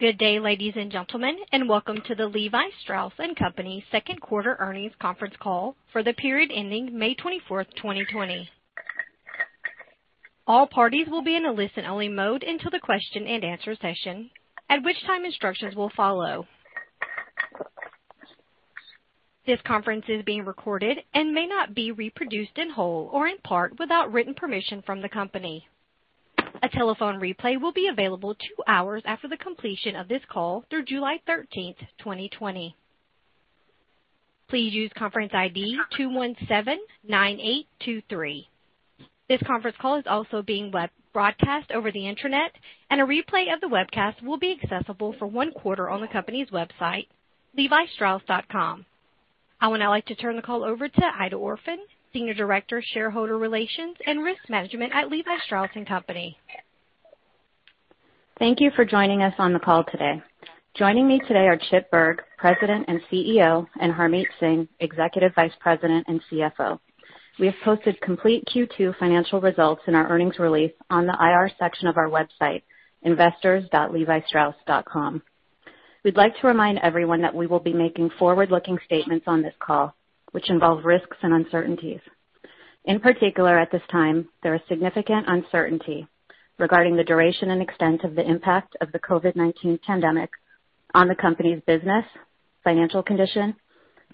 Good day, ladies and gentlemen, welcome to the Levi Strauss & Co. second quarter earnings conference call for the period ending May 24th, 2020. All parties will be in a listen-only mode until the question and answer session, at which time instructions will follow. This conference is being recorded and may not be reproduced in whole or in part without written permission from the company. A telephone replay will be available two hours after the completion of this call through July 13th, 2020. Please use conference ID 2179823. This conference call is also being broadcast over the internet and a replay of the webcast will be accessible for one quarter on the company's website, levistrauss.com. I would now like to turn the call over to Aida Orphan, Senior Director of Shareholder Relations and Risk Management at Levi Strauss & Co. Thank you for joining us on the call today. Joining me today are Chip Bergh, President and CEO, and Harmit Singh, Executive Vice President and CFO. We have posted complete Q2 financial results in our earnings release on the IR section of our website, investors.levistrauss.com. We would like to remind everyone that we will be making forward-looking statements on this call, which involve risks and uncertainties. In particular, at this time, there is significant uncertainty regarding the duration and extent of the impact of the COVID-19 pandemic on the company's business, financial condition,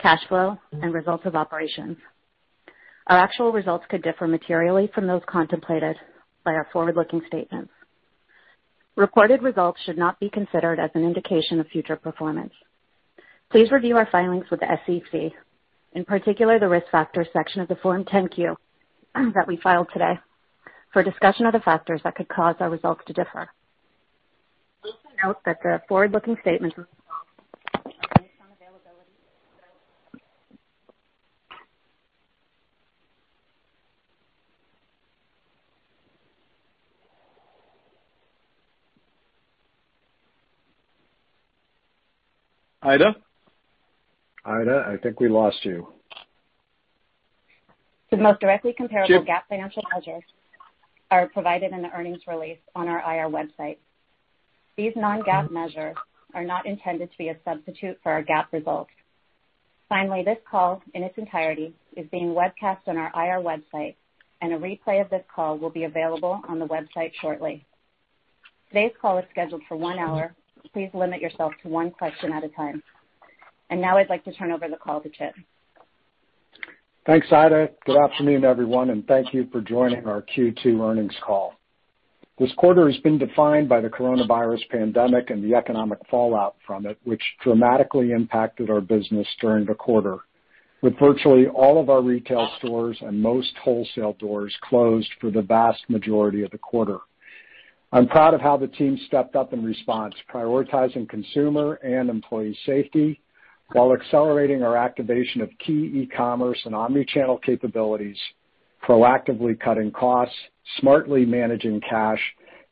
cash flow, and results of operations. Our actual results could differ materially from those contemplated by our forward-looking statements. Reported results should not be considered as an indication of future performance. Please review our filings with the SEC, in particular the Risk Factors section of the Form 10-Q that we filed today, for a discussion of the factors that could cause our results to differ. We also note that the forward-looking statements based on availability. Aida? Aida, I think we lost you. The most directly comparable. Chip? GAAP financial measures are provided in the earnings release on our IR website. These non-GAAP measures are not intended to be a substitute for our GAAP results. Finally, this call in its entirety is being webcast on our IR website, and a replay of this call will be available on the website shortly. Today's call is scheduled for one hour. Please limit yourself to one question at a time. Now I'd like to turn over the call to Chip. Thanks, Aida. Good afternoon, everyone. Thank you for joining our Q2 earnings call. This quarter has been defined by the coronavirus pandemic and the economic fallout from it, which dramatically impacted our business during the quarter. With virtually all of our retail stores and most wholesale doors closed for the vast majority of the quarter, I'm proud of how the team stepped up in response, prioritizing consumer and employee safety while accelerating our activation of key e-commerce and omni-channel capabilities, proactively cutting costs, smartly managing cash,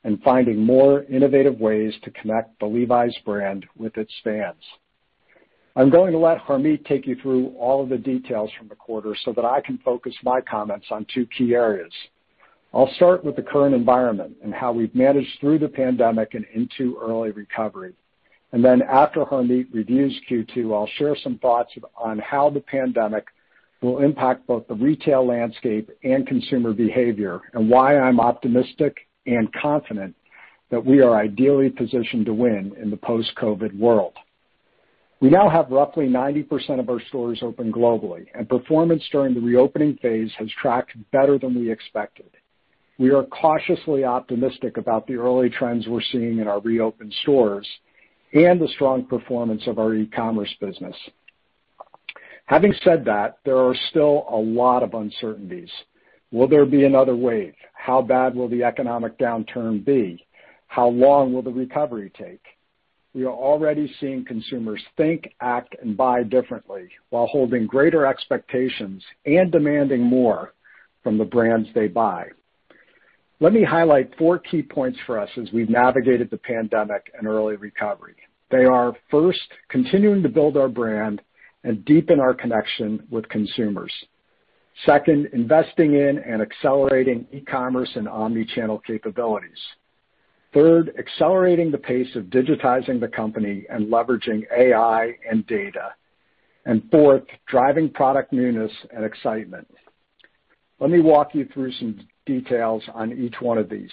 and finding more innovative ways to connect the Levi's brand with its fans. I'm going to let Harmit take you through all of the details from the quarter so that I can focus my comments on two key areas. I'll start with the current environment and how we've managed through the pandemic and into early recovery. After Harmit reviews Q2, I'll share some thoughts on how the pandemic will impact both the retail landscape and consumer behavior, and why I'm optimistic and confident that we are ideally positioned to win in the post-COVID world. We now have roughly 90% of our stores open globally, and performance during the reopening phase has tracked better than we expected. We are cautiously optimistic about the early trends we're seeing in our reopened stores and the strong performance of our e-commerce business. Having said that, there are still a lot of uncertainties. Will there be another wave? How bad will the economic downturn be? How long will the recovery take? We are already seeing consumers think, act, and buy differently while holding greater expectations and demanding more from the brands they buy. Let me highlight four key points for us as we've navigated the pandemic and early recovery. They are, first, continuing to build our brand and deepen our connection with consumers. Second, investing in and accelerating e-commerce and omni-channel capabilities. Third, accelerating the pace of digitizing the company and leveraging AI and data. Fourth, driving product newness and excitement. Let me walk you through some details on each one of these.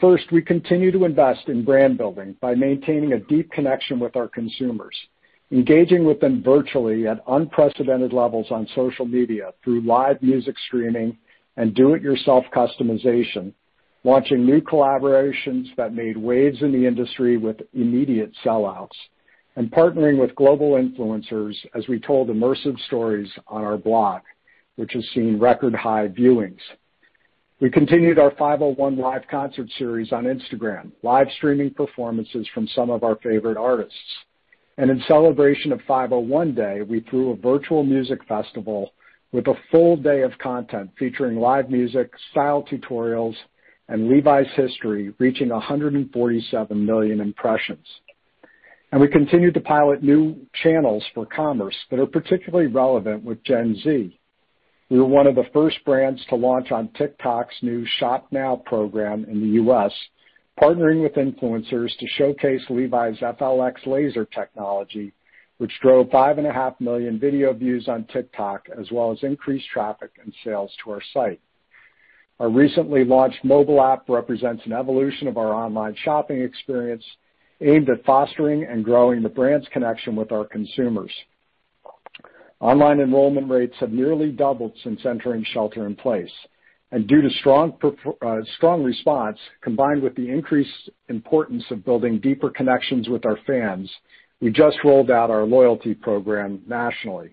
First, we continue to invest in brand building by maintaining a deep connection with our consumers, engaging with them virtually at unprecedented levels on social media through live music streaming and do-it-yourself customization. Launching new collaborations that made waves in the industry with immediate sellouts. Partnering with global influencers as we told immersive stories on our blog, which has seen record high viewings. We continued our 501 live concert series on Instagram, live streaming performances from some of our favorite artists. In celebration of 501 Day, we threw a virtual music festival with a full day of content featuring live music, style tutorials, and Levi's history, reaching 147 million impressions. We continued to pilot new channels for commerce that are particularly relevant with Gen Z. We were one of the first brands to launch on TikTok's new Shop Now program in the U.S., partnering with influencers to showcase Levi's FLX laser technology, which drove 5.5 million video views on TikTok, as well as increased traffic and sales to our site. Our recently launched mobile app represents an evolution of our online shopping experience, aimed at fostering and growing the brand's connection with our consumers. Online enrollment rates have nearly doubled since entering shelter in place. Due to strong response, combined with the increased importance of building deeper connections with our fans, we just rolled out our loyalty program nationally.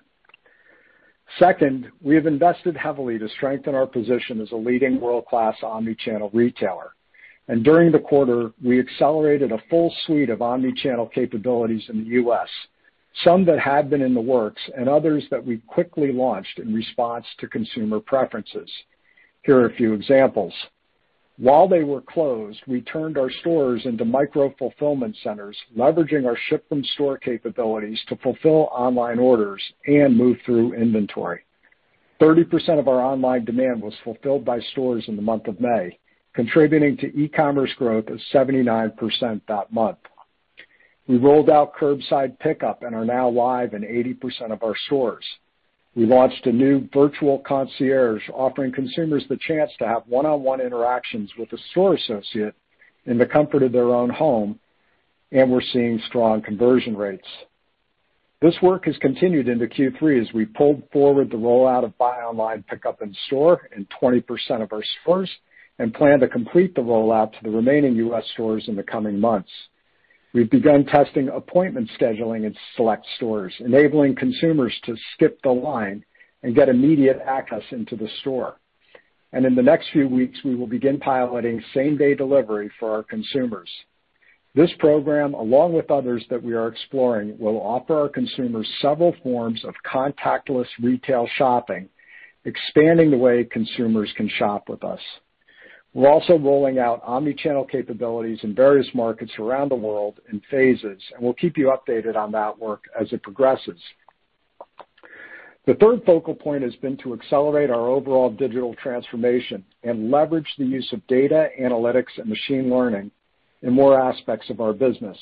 Second, we have invested heavily to strengthen our position as a leading world-class omni-channel retailer. During the quarter, we accelerated a full suite of omni-channel capabilities in the U.S., some that had been in the works, and others that we quickly launched in response to consumer preferences. Here are a few examples. While they were closed, we turned our stores into micro-fulfillment centers, leveraging our ship from store capabilities to fulfill online orders and move through inventory. 30% of our online demand was fulfilled by stores in the month of May, contributing to e-commerce growth of 79% that month. We rolled out curbside pickup and are now live in 80% of our stores. We launched a new virtual concierge, offering consumers the chance to have one-on-one interactions with a store associate in the comfort of their own home, and we're seeing strong conversion rates. This work has continued into Q3 as we pulled forward the rollout of buy online, pickup in store in 20% of our stores, and plan to complete the rollout to the remaining U.S. stores in the coming months. We've begun testing appointment scheduling in select stores, enabling consumers to skip the line and get immediate access into the store. In the next few weeks, we will begin piloting same-day delivery for our consumers. This program, along with others that we are exploring, will offer our consumers several forms of contactless retail shopping, expanding the way consumers can shop with us. We're also rolling out omni-channel capabilities in various markets around the world in phases, and we'll keep you updated on that work as it progresses. The third focal point has been to accelerate our overall digital transformation and leverage the use of data analytics and machine learning in more aspects of our business.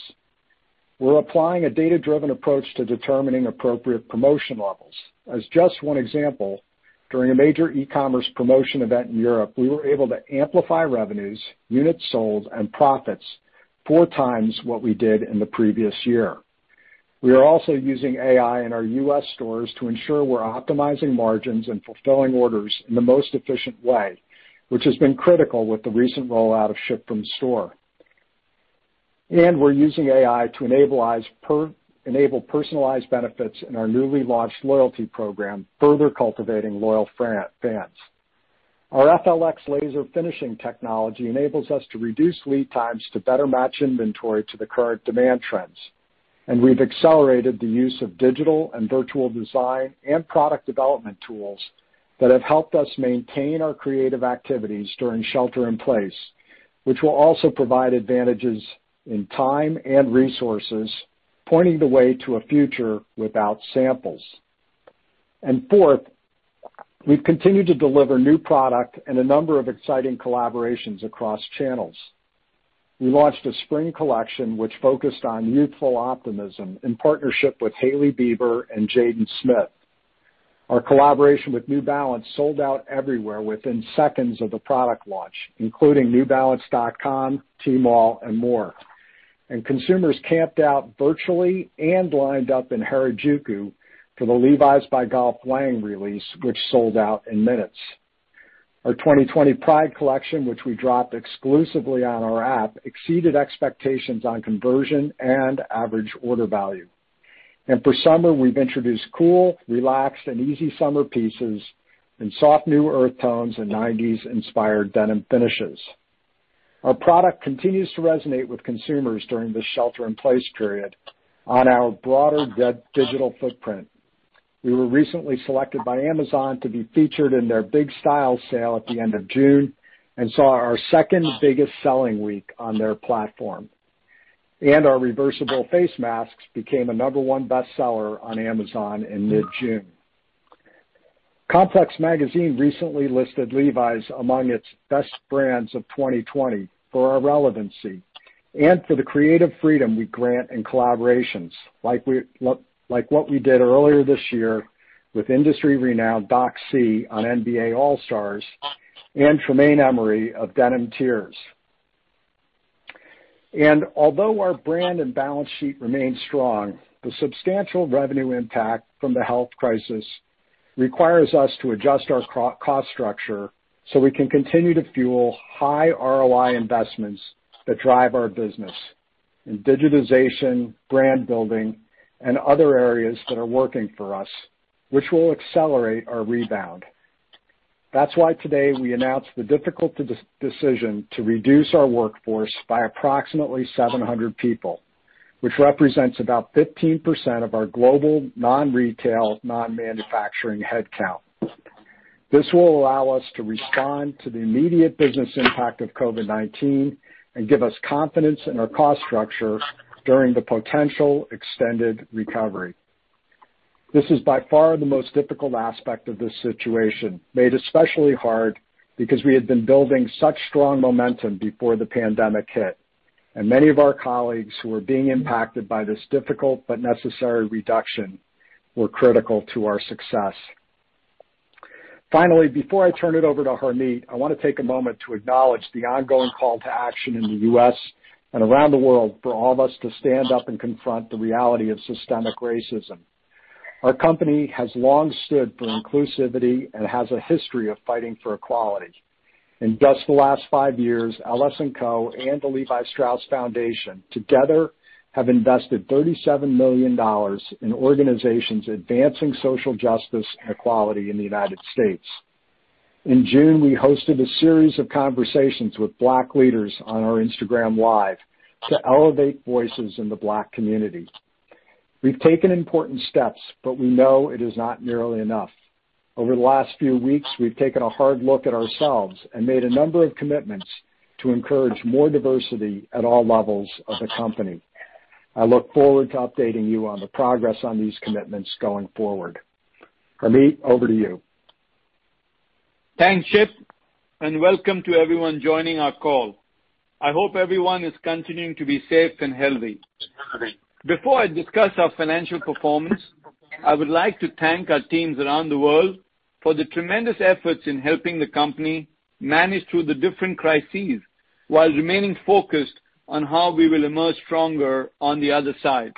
We're applying a data-driven approach to determining appropriate promotion levels. As just one example, during a major e-commerce promotion event in Europe, we were able to amplify revenues, units sold, and profits 4 times what we did in the previous year. We are also using AI in our U.S. stores to ensure we're optimizing margins and fulfilling orders in the most efficient way, which has been critical with the recent rollout of ship from store. We're using AI to enable personalized benefits in our newly launched loyalty program, further cultivating loyal fans. Our FLX laser finishing technology enables us to reduce lead times to better match inventory to the current demand trends. We've accelerated the use of digital and virtual design and product development tools that have helped us maintain our creative activities during shelter in place, which will also provide advantages in time and resources, pointing the way to a future without samples. Fourth, we've continued to deliver new product and a number of exciting collaborations across channels. We launched a spring collection which focused on youthful optimism in partnership with Hailey Bieber and Jaden Smith. Our collaboration with New Balance sold out everywhere within seconds of the product launch, including newbalance.com, Tmall, and more. Consumers camped out virtually and lined up in Harajuku for the Levi's by Golf Wang release, which sold out in minutes. Our 2020 Pride collection, which we dropped exclusively on our app, exceeded expectations on conversion and average order value. For summer, we've introduced cool, relaxed, and easy summer pieces in soft, new earth tones and 90s-inspired denim finishes. Our product continues to resonate with consumers during this shelter-in-place period on our broader digital footprint. We were recently selected by Amazon to be featured in their big style sale at the end of June and saw our second biggest selling week on their platform. Our reversible face masks became a number one bestseller on Amazon in mid-June. Complex recently listed Levi's among its best brands of 2020 for our relevancy and for the creative freedom we grant in collaborations, like what we did earlier this year with industry renowned Don C on NBA All-Stars and Tremaine Emory of Denim Tears. Although our brand and balance sheet remain strong, the substantial revenue impact from the health crisis requires us to adjust our cost structure so we can continue to fuel high ROI investments that drive our business in digitization, brand building, and other areas that are working for us, which will accelerate our rebound. That's why today we announced the difficult decision to reduce our workforce by approximately 700 people, which represents about 15% of our global non-retail, non-manufacturing headcount. This will allow us to respond to the immediate business impact of COVID-19 and give us confidence in our cost structure during the potential extended recovery. This is by far the most difficult aspect of this situation, made especially hard because we had been building such strong momentum before the pandemic hit, and many of our colleagues who are being impacted by this difficult but necessary reduction were critical to our success. Finally, before I turn it over to Harmit, I want to take a moment to acknowledge the ongoing call to action in the U.S. and around the world for all of us to stand up and confront the reality of systemic racism. Our company has long stood for inclusivity and has a history of fighting for equality. In just the last five years, LS&Co. and the Levi Strauss Foundation together have invested $37 million in organizations advancing social justice and equality in the United States. In June, we hosted a series of conversations with Black leaders on our Instagram Live to elevate voices in the Black community. We've taken important steps, but we know it is not nearly enough. Over the last few weeks, we've taken a hard look at ourselves and made a number of commitments to encourage more diversity at all levels of the company. I look forward to updating you on the progress on these commitments going forward. Harmit, over to you. Thanks, Chip. Welcome to everyone joining our call. I hope everyone is continuing to be safe and healthy. Before I discuss our financial performance, I would like to thank our teams around the world for the tremendous efforts in helping the company manage through the different crises while remaining focused on how we will emerge stronger on the other side.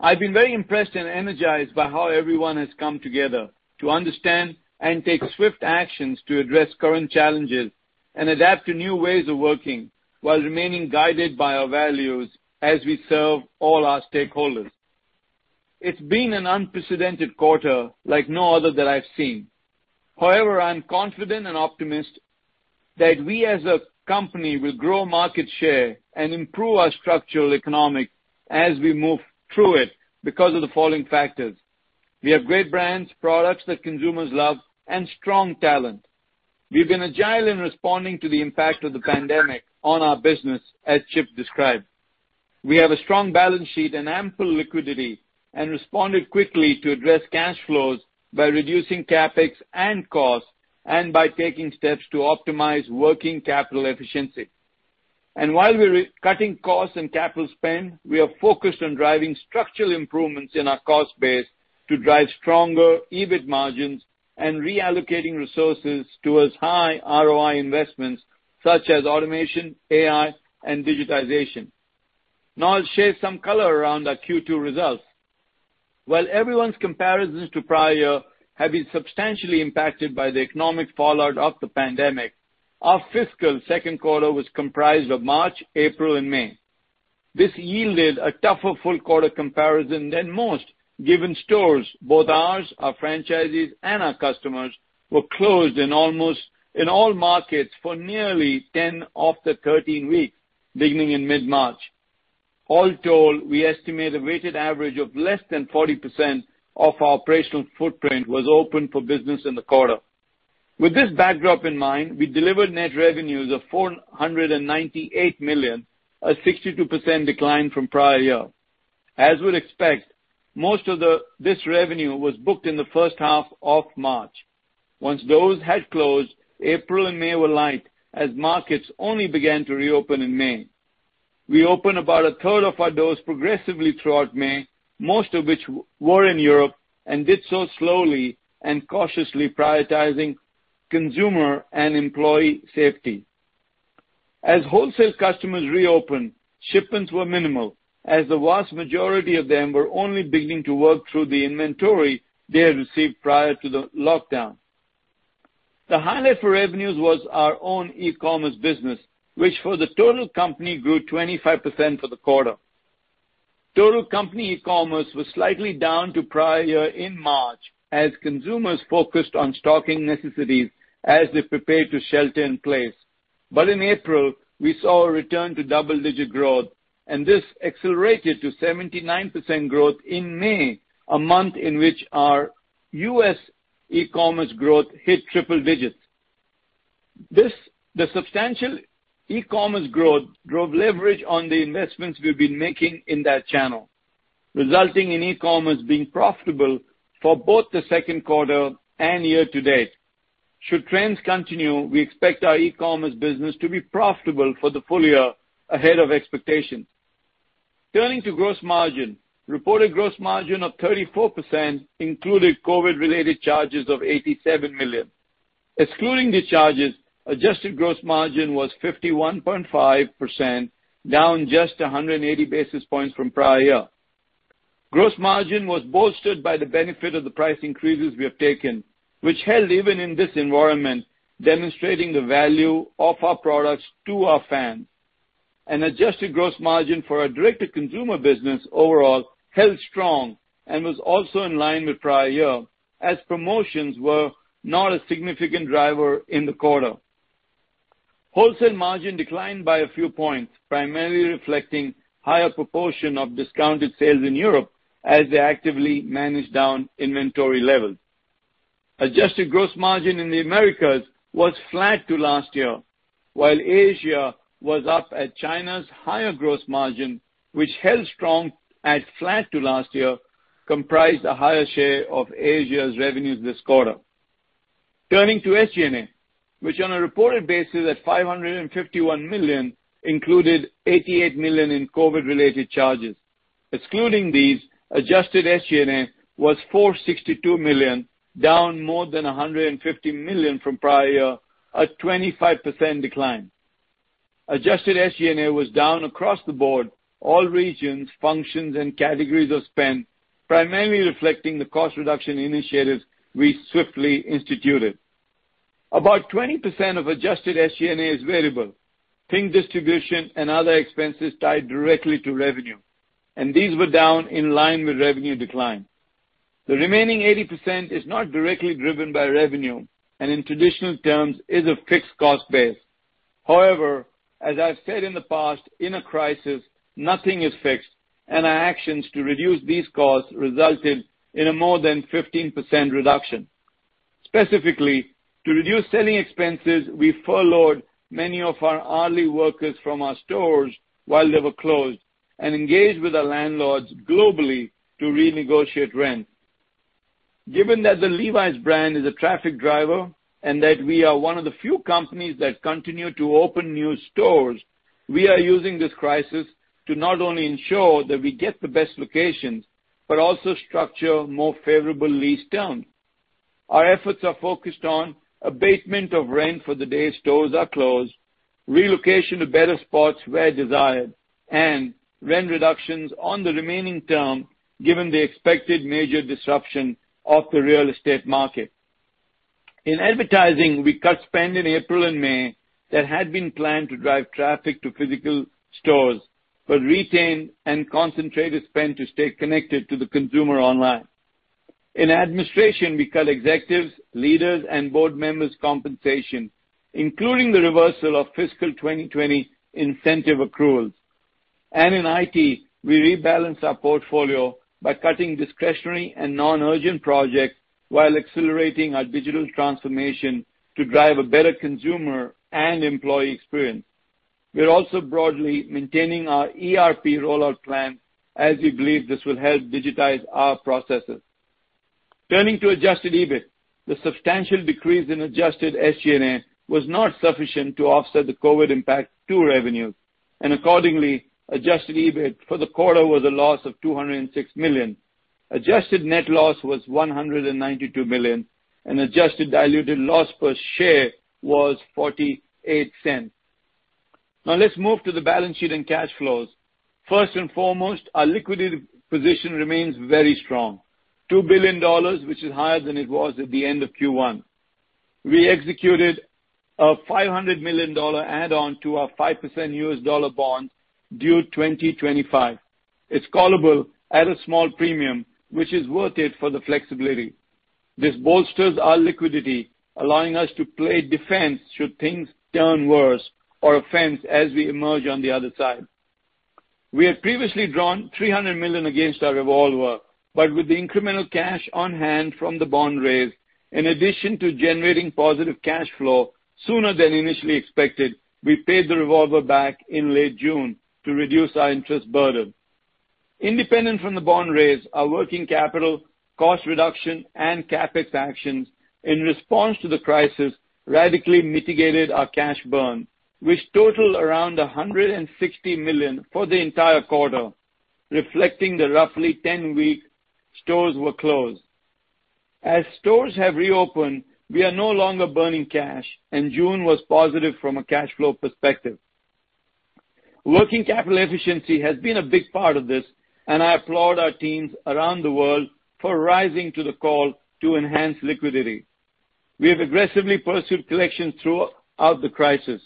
I've been very impressed and energized by how everyone has come together to understand and take swift actions to address current challenges and adapt to new ways of working while remaining guided by our values as we serve all our stakeholders. It's been an unprecedented quarter like no other that I've seen. I am confident and optimist that we as a company will grow market share and improve our structural economic as we move through it because of the following factors. We have great brands, products that consumers love, and strong talent. We've been agile in responding to the impact of the pandemic on our business, as Chip described. We have a strong balance sheet and ample liquidity and responded quickly to address cash flows by reducing CapEx and costs and by taking steps to optimize working capital efficiency. While we're cutting costs and capital spend, we are focused on driving structural improvements in our cost base to drive stronger EBIT margins and reallocating resources towards high ROI investments such as automation, AI, and digitization. Now I'll share some color around our Q2 results. While everyone's comparisons to prior have been substantially impacted by the economic fallout of the pandemic, our fiscal second quarter was comprised of March, April, and May. This yielded a tougher full quarter comparison than most, given stores, both ours, our franchisees, and our customers were closed in all markets for nearly 10 of the 13 weeks beginning in mid-March. All told, we estimate a weighted average of less than 40% of our operational footprint was open for business in the quarter. With this backdrop in mind, we delivered net revenues of $498 million, a 62% decline from prior year. As we'd expect, most of this revenue was booked in the first half of March. Once those had closed, April and May were light as markets only began to reopen in May. We opened about a third of our doors progressively throughout May, most of which were in Europe, and did so slowly and cautiously prioritizing consumer and employee safety. As wholesale customers reopened, shipments were minimal, as the vast majority of them were only beginning to work through the inventory they had received prior to the lockdown. The highlight for revenues was our own e-commerce business, which for the total company grew 25% for the quarter. Total company e-commerce was slightly down to prior year in March as consumers focused on stocking necessities as they prepared to shelter in place. In April, we saw a return to double-digit growth, and this accelerated to 79% growth in May, a month in which our U.S. e-commerce growth hit triple digits. The substantial e-commerce growth drove leverage on the investments we've been making in that channel, resulting in e-commerce being profitable for both the second quarter and year to date. Should trends continue, we expect our e-commerce business to be profitable for the full year ahead of expectations. Turning to gross margin. Reported gross margin of 34% included COVID-related charges of $87 million. Excluding the charges, adjusted gross margin was 51.5%, down just 180 basis points from prior year. Gross margin was bolstered by the benefit of the price increases we have taken, which held even in this environment, demonstrating the value of our products to our fans. Adjusted gross margin for our direct-to-consumer business overall held strong and was also in line with prior year, as promotions were not a significant driver in the quarter. Wholesale margin declined by a few points, primarily reflecting higher proportion of discounted sales in Europe as they actively managed down inventory levels. Adjusted gross margin in the Americas was flat to last year, while Asia was up at China's higher gross margin, which held strong at flat to last year, comprised a higher share of Asia's revenues this quarter. Turning to SG&A, which on a reported basis at $551 million, included $88 million in COVID related charges. Excluding these, adjusted SG&A was $462 million, down more than $150 million from prior year, a 25% decline. Adjusted SG&A was down across the board, all regions, functions, and categories of spend, primarily reflecting the cost reduction initiatives we swiftly instituted. About 20% of adjusted SG&A is variable. Think distribution and other expenses tied directly to revenue. These were down in line with revenue decline. The remaining 80% is not directly driven by revenue, and in traditional terms, is a fixed cost base. However, as I've said in the past, in a crisis, nothing is fixed, and our actions to reduce these costs resulted in a more than 15% reduction. Specifically, to reduce selling expenses, we furloughed many of our hourly workers from our stores while they were closed and engaged with our landlords globally to renegotiate rent. Given that the Levi's brand is a traffic driver and that we are one of the few companies that continue to open new stores, we are using this crisis to not only ensure that we get the best locations, but also structure more favorable lease terms. Our efforts are focused on abatement of rent for the day stores are closed, relocation to better spots where desired, and rent reductions on the remaining term, given the expected major disruption of the real estate market. In advertising, we cut spend in April and May that had been planned to drive traffic to physical stores, but retained and concentrated spend to stay connected to the consumer online. In administration, we cut executives, leaders, and board members' compensation, including the reversal of fiscal 2020 incentive accruals. In IT, we rebalanced our portfolio by cutting discretionary and non-urgent projects while accelerating our digital transformation to drive a better consumer and employee experience. We're also broadly maintaining our ERP rollout plan as we believe this will help digitize our processes. Turning to adjusted EBIT. The substantial decrease in adjusted SG&A was not sufficient to offset the COVID-19 impact to revenues. Accordingly, adjusted EBIT for the quarter was a loss of $206 million. Adjusted net loss was $192 million, and adjusted diluted loss per share was $0.48. Now let's move to the balance sheet and cash flows. First and foremost, our liquidity position remains very strong. $2 billion, which is higher than it was at the end of Q1. We executed a $500 million add-on to our 5% U.S. dollar bond due 2025. It's callable at a small premium, which is worth it for the flexibility. This bolsters our liquidity, allowing us to play defense should things turn worse or offense as we emerge on the other side. We had previously drawn $300 million against our revolver, with the incremental cash on hand from the bond raise, in addition to generating positive cash flow sooner than initially expected, we paid the revolver back in late June to reduce our interest burden. Independent from the bond raise, our working capital, cost reduction, and CapEx actions in response to the crisis radically mitigated our cash burn, which totaled around $160 million for the entire quarter, reflecting the roughly 10 weeks stores were closed. As stores have reopened, we are no longer burning cash, and June was positive from a cash flow perspective. Working capital efficiency has been a big part of this, and I applaud our teams around the world for rising to the call to enhance liquidity. We have aggressively pursued collections throughout the crisis.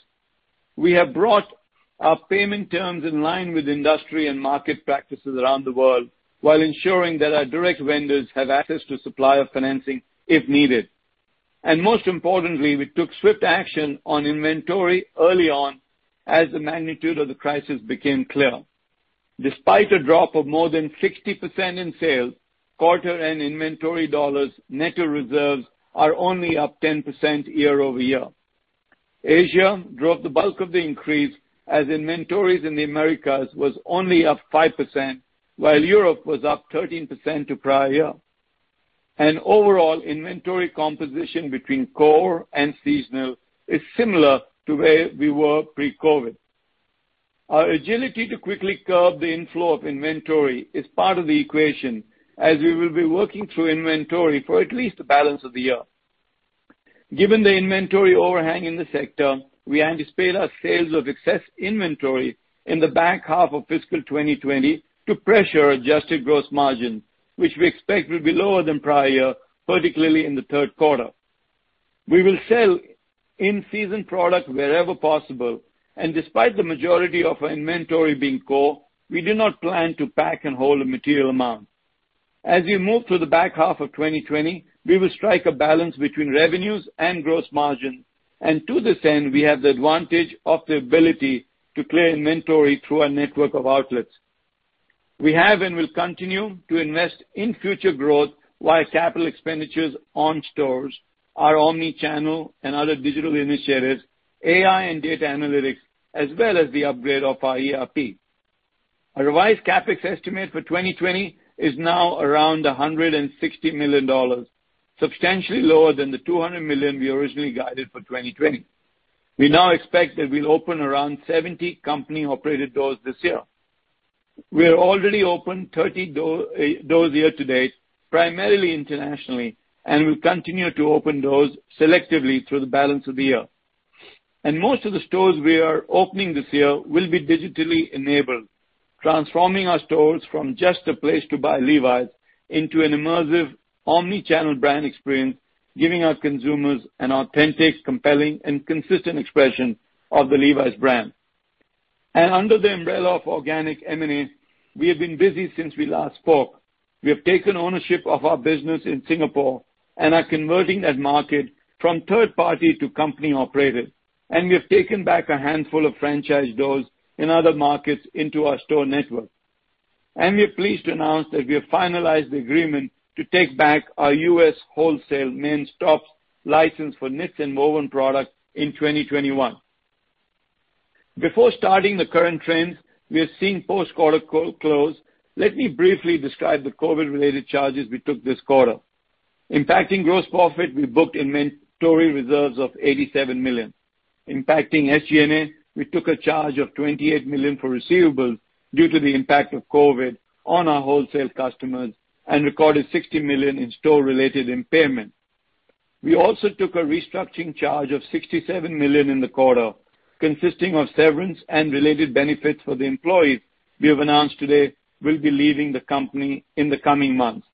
We have brought our payment terms in line with industry and market practices around the world, while ensuring that our direct vendors have access to supplier financing if needed. Most importantly, we took swift action on inventory early on as the magnitude of the crisis became clear. Despite a drop of more than 60% in sales quarter and inventory dollars, net of reserves are only up 10% year-over-year. Asia drove the bulk of the increase as inventories in the Americas was only up 5%, while Europe was up 13% to prior year. Overall, inventory composition between core and seasonal is similar to where we were pre-COVID-19. Our agility to quickly curb the inflow of inventory is part of the equation, as we will be working through inventory for at least the balance of the year. Given the inventory overhang in the sector, we anticipate our sales of excess inventory in the back half of fiscal 2020 to pressure adjusted gross margin, which we expect will be lower than prior year, particularly in the third quarter. We will sell in-season product wherever possible, and despite the majority of our inventory being core, we do not plan to pack and hold a material amount. As we move through the back half of 2020, we will strike a balance between revenues and gross margin. To this end, we have the advantage of the ability to clear inventory through our network of outlets. We have and will continue to invest in future growth via capital expenditures on stores, our omni-channel and other digital initiatives, AI and data analytics, as well as the upgrade of our ERP. Our revised CapEx estimate for 2020 is now around $160 million, substantially lower than the $200 million we originally guided for 2020. We now expect that we'll open around 70 company-operated doors this year. We've already opened 30 doors year to date, primarily internationally, and we'll continue to open doors selectively through the balance of the year. Most of the stores we are opening this year will be digitally enabled, transforming our stores from just a place to buy Levi's into an immersive omni-channel brand experience, giving our consumers an authentic, compelling, and consistent expression of the Levi's brand. Under the umbrella of organic M&As, we have been busy since we last spoke. We have taken ownership of our business in Singapore and are converting that market from third party to company operated, we have taken back a handful of franchise doors in other markets into our store network. We're pleased to announce that we have finalized the agreement to take back our U.S. wholesale men's tops license for knits and woven products in 2021. Before starting the current trends we are seeing post quarter close, let me briefly describe the COVID-related charges we took this quarter. Impacting gross profit, we booked inventory reserves of $87 million. Impacting SG&A, we took a charge of $28 million for receivables due to the impact of COVID on our wholesale customers and recorded $60 million in store-related impairment. We also took a restructuring charge of $67 million in the quarter, consisting of severance and related benefits for the employees we have announced today will be leaving the company in the coming months.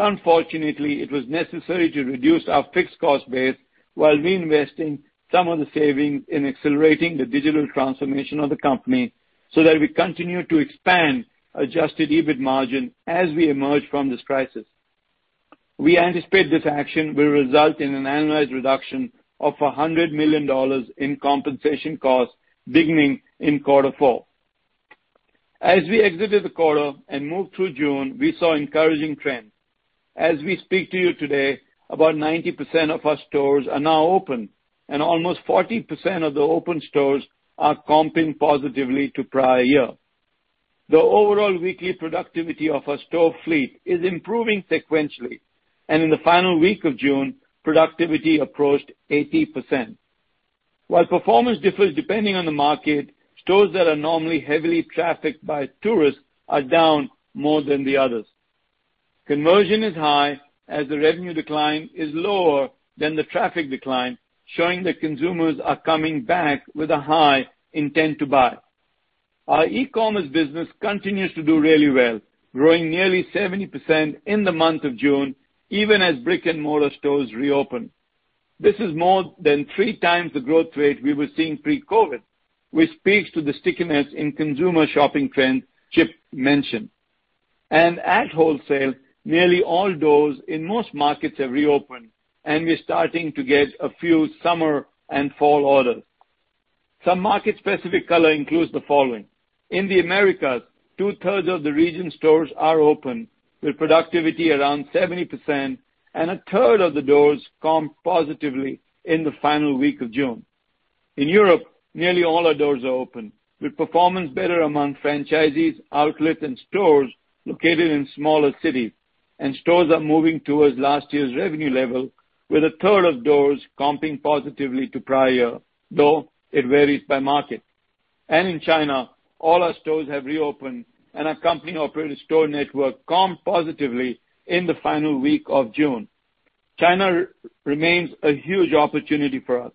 Unfortunately, it was necessary to reduce our fixed cost base while reinvesting some of the savings in accelerating the digital transformation of the company so that we continue to expand adjusted EBIT margin as we emerge from this crisis. We anticipate this action will result in an annualized reduction of $100 million in compensation costs beginning in quarter four. We exited the quarter and moved through June, we saw encouraging trends. We speak to you today, about 90% of our stores are now open, and almost 40% of the open stores are comping positively to prior year. The overall weekly productivity of our store fleet is improving sequentially. In the final week of June, productivity approached 80%. While performance differs depending on the market, stores that are normally heavily trafficked by tourists are down more than the others. Conversion is high, as the revenue decline is lower than the traffic decline, showing that consumers are coming back with a high intent to buy. Our e-commerce business continues to do really well, growing nearly 70% in the month of June, even as brick and mortar stores reopened. This is more than 3 times the growth rate we were seeing pre-COVID-19, which speaks to the stickiness in consumer shopping trends Chip mentioned. At wholesale, nearly all doors in most markets have reopened, and we're starting to get a few summer and fall orders. Some market specific color includes the following. In the Americas, two-thirds of the region stores are open with productivity around 70%. A third of the doors comped positively in the final week of June. In Europe, nearly all our doors are open with performance better among franchisees, outlet and stores located in smaller cities. Stores are moving towards last year's revenue level with a third of doors comping positively to prior year, though it varies by market. In China, all our stores have reopened, and our company operated store network comped positively in the final week of June. China remains a huge opportunity for us.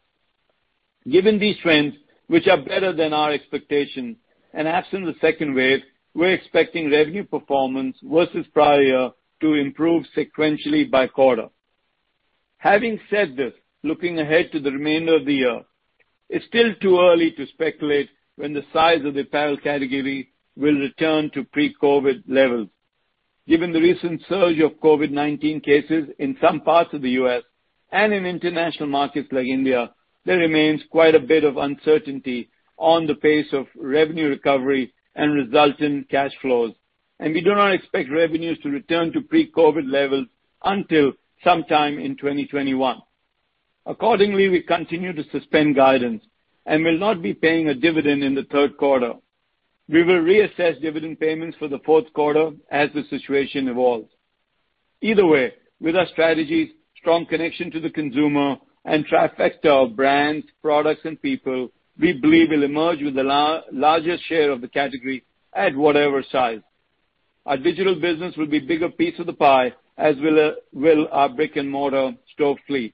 Given these trends, which are better than our expectation, and absent the second wave, we're expecting revenue performance versus prior year to improve sequentially by quarter. Having said this, looking ahead to the remainder of the year, it's still too early to speculate when the size of the apparel category will return to pre-COVID levels. Given the recent surge of COVID-19 cases in some parts of the U.S. and in international markets like India, there remains quite a bit of uncertainty on the pace of revenue recovery and resultant cash flows, and we do not expect revenues to return to pre-COVID levels until sometime in 2021. Accordingly, we continue to suspend guidance and will not be paying a dividend in the third quarter. We will reassess dividend payments for the fourth quarter as the situation evolves. Either way, with our strategies, strong connection to the consumer, and trifecta of brands, products, and people, we believe we'll emerge with the largest share of the category at whatever size. Our digital business will be bigger piece of the pie, as will our brick and mortar store fleet.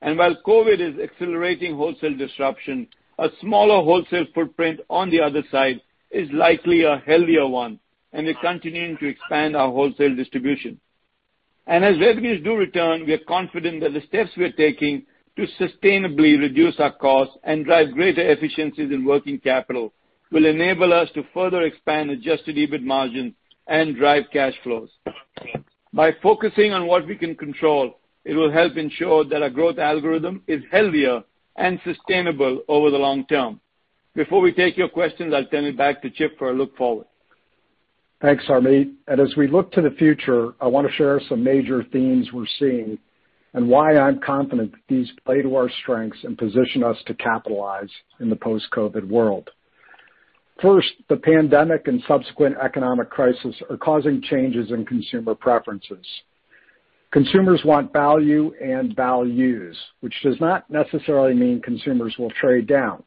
While COVID-19 is accelerating wholesale disruption, a smaller wholesale footprint on the other side is likely a healthier one, and we're continuing to expand our wholesale distribution. As revenues do return, we are confident that the steps we are taking to sustainably reduce our costs and drive greater efficiencies in working capital will enable us to further expand adjusted EBIT margins and drive cash flows. By focusing on what we can control, it will help ensure that our growth algorithm is healthier and sustainable over the long term. Before we take your questions, I'll turn it back to Chip for a look forward. Thanks, Harmit. As we look to the future, I want to share some major themes we're seeing and why I'm confident that these play to our strengths and position us to capitalize in the post-COVID world. First, the pandemic and subsequent economic crisis are causing changes in consumer preferences. Consumers want value and values, which does not necessarily mean consumers will trade down.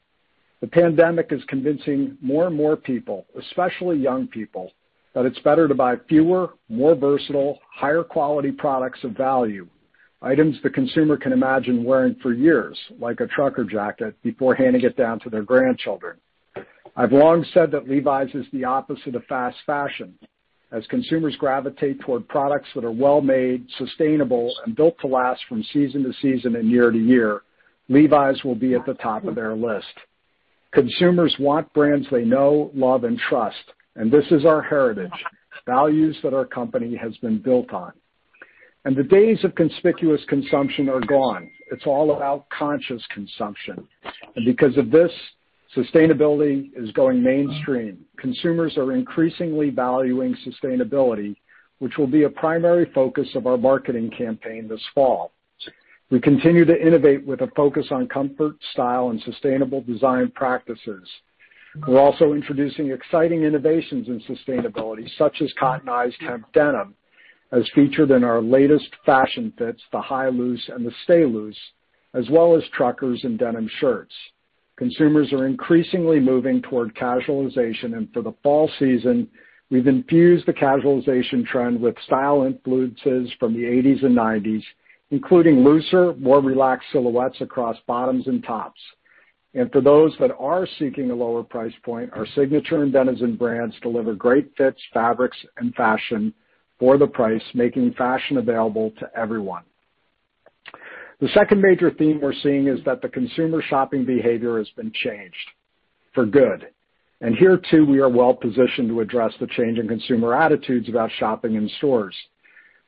The pandemic is convincing more and more people, especially young people, that it's better to buy fewer, more versatile, higher quality products of value. Items the consumer can imagine wearing for years, like a trucker jacket, before handing it down to their grandchildren. I've long said that Levi's is the opposite of fast fashion. As consumers gravitate toward products that are well-made, sustainable, and built to last from season to season and year to year, Levi's will be at the top of their list. Consumers want brands they know, love, and trust, and this is our heritage, values that our company has been built on. The days of conspicuous consumption are gone. It's all about conscious consumption. Because of this, sustainability is going mainstream. Consumers are increasingly valuing sustainability, which will be a primary focus of our marketing campaign this fall. We continue to innovate with a focus on comfort, style, and sustainable design practices. We're also introducing exciting innovations in sustainability, such as cottonized hemp denim, as featured in our latest fashion fits, the High Loose and the Stay Loose, as well as truckers and denim shirts. Consumers are increasingly moving toward casualization, and for the fall season, we've infused the casualization trend with style influences from the '80s and '90s, including looser, more relaxed silhouettes across bottoms and tops. For those that are seeking a lower price point, our Signature and Denizen brands deliver great fits, fabrics, and fashion for the price, making fashion available to everyone. The second major theme we're seeing is that the consumer shopping behavior has been changed for good. Here, too, we are well positioned to address the change in consumer attitudes about shopping in stores.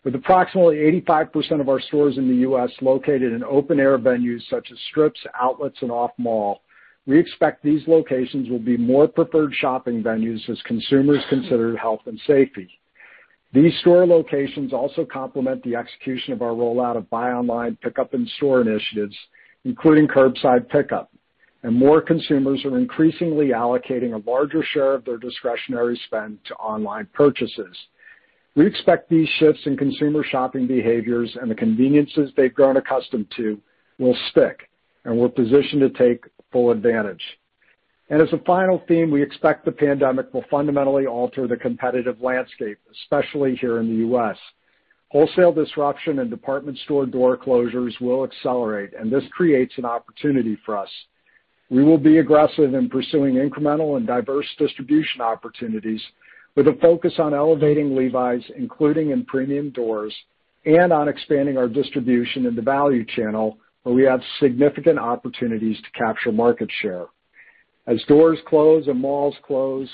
With approximately 85% of our stores in the U.S. located in open-air venues such as strips, outlets, and off-mall, we expect these locations will be more preferred shopping venues as consumers consider health and safety. These store locations also complement the execution of our rollout of buy online, pickup in-store initiatives, including curbside pickup. More consumers are increasingly allocating a larger share of their discretionary spend to online purchases. We expect these shifts in consumer shopping behaviors and the conveniences they've grown accustomed to will stick, and we're positioned to take full advantage. As a final theme, we expect the pandemic will fundamentally alter the competitive landscape, especially here in the U.S. Wholesale disruption and department store door closures will accelerate, and this creates an opportunity for us. We will be aggressive in pursuing incremental and diverse distribution opportunities with a focus on elevating Levi's, including in premium doors, and on expanding our distribution in the value channel, where we have significant opportunities to capture market share. As doors close and malls close,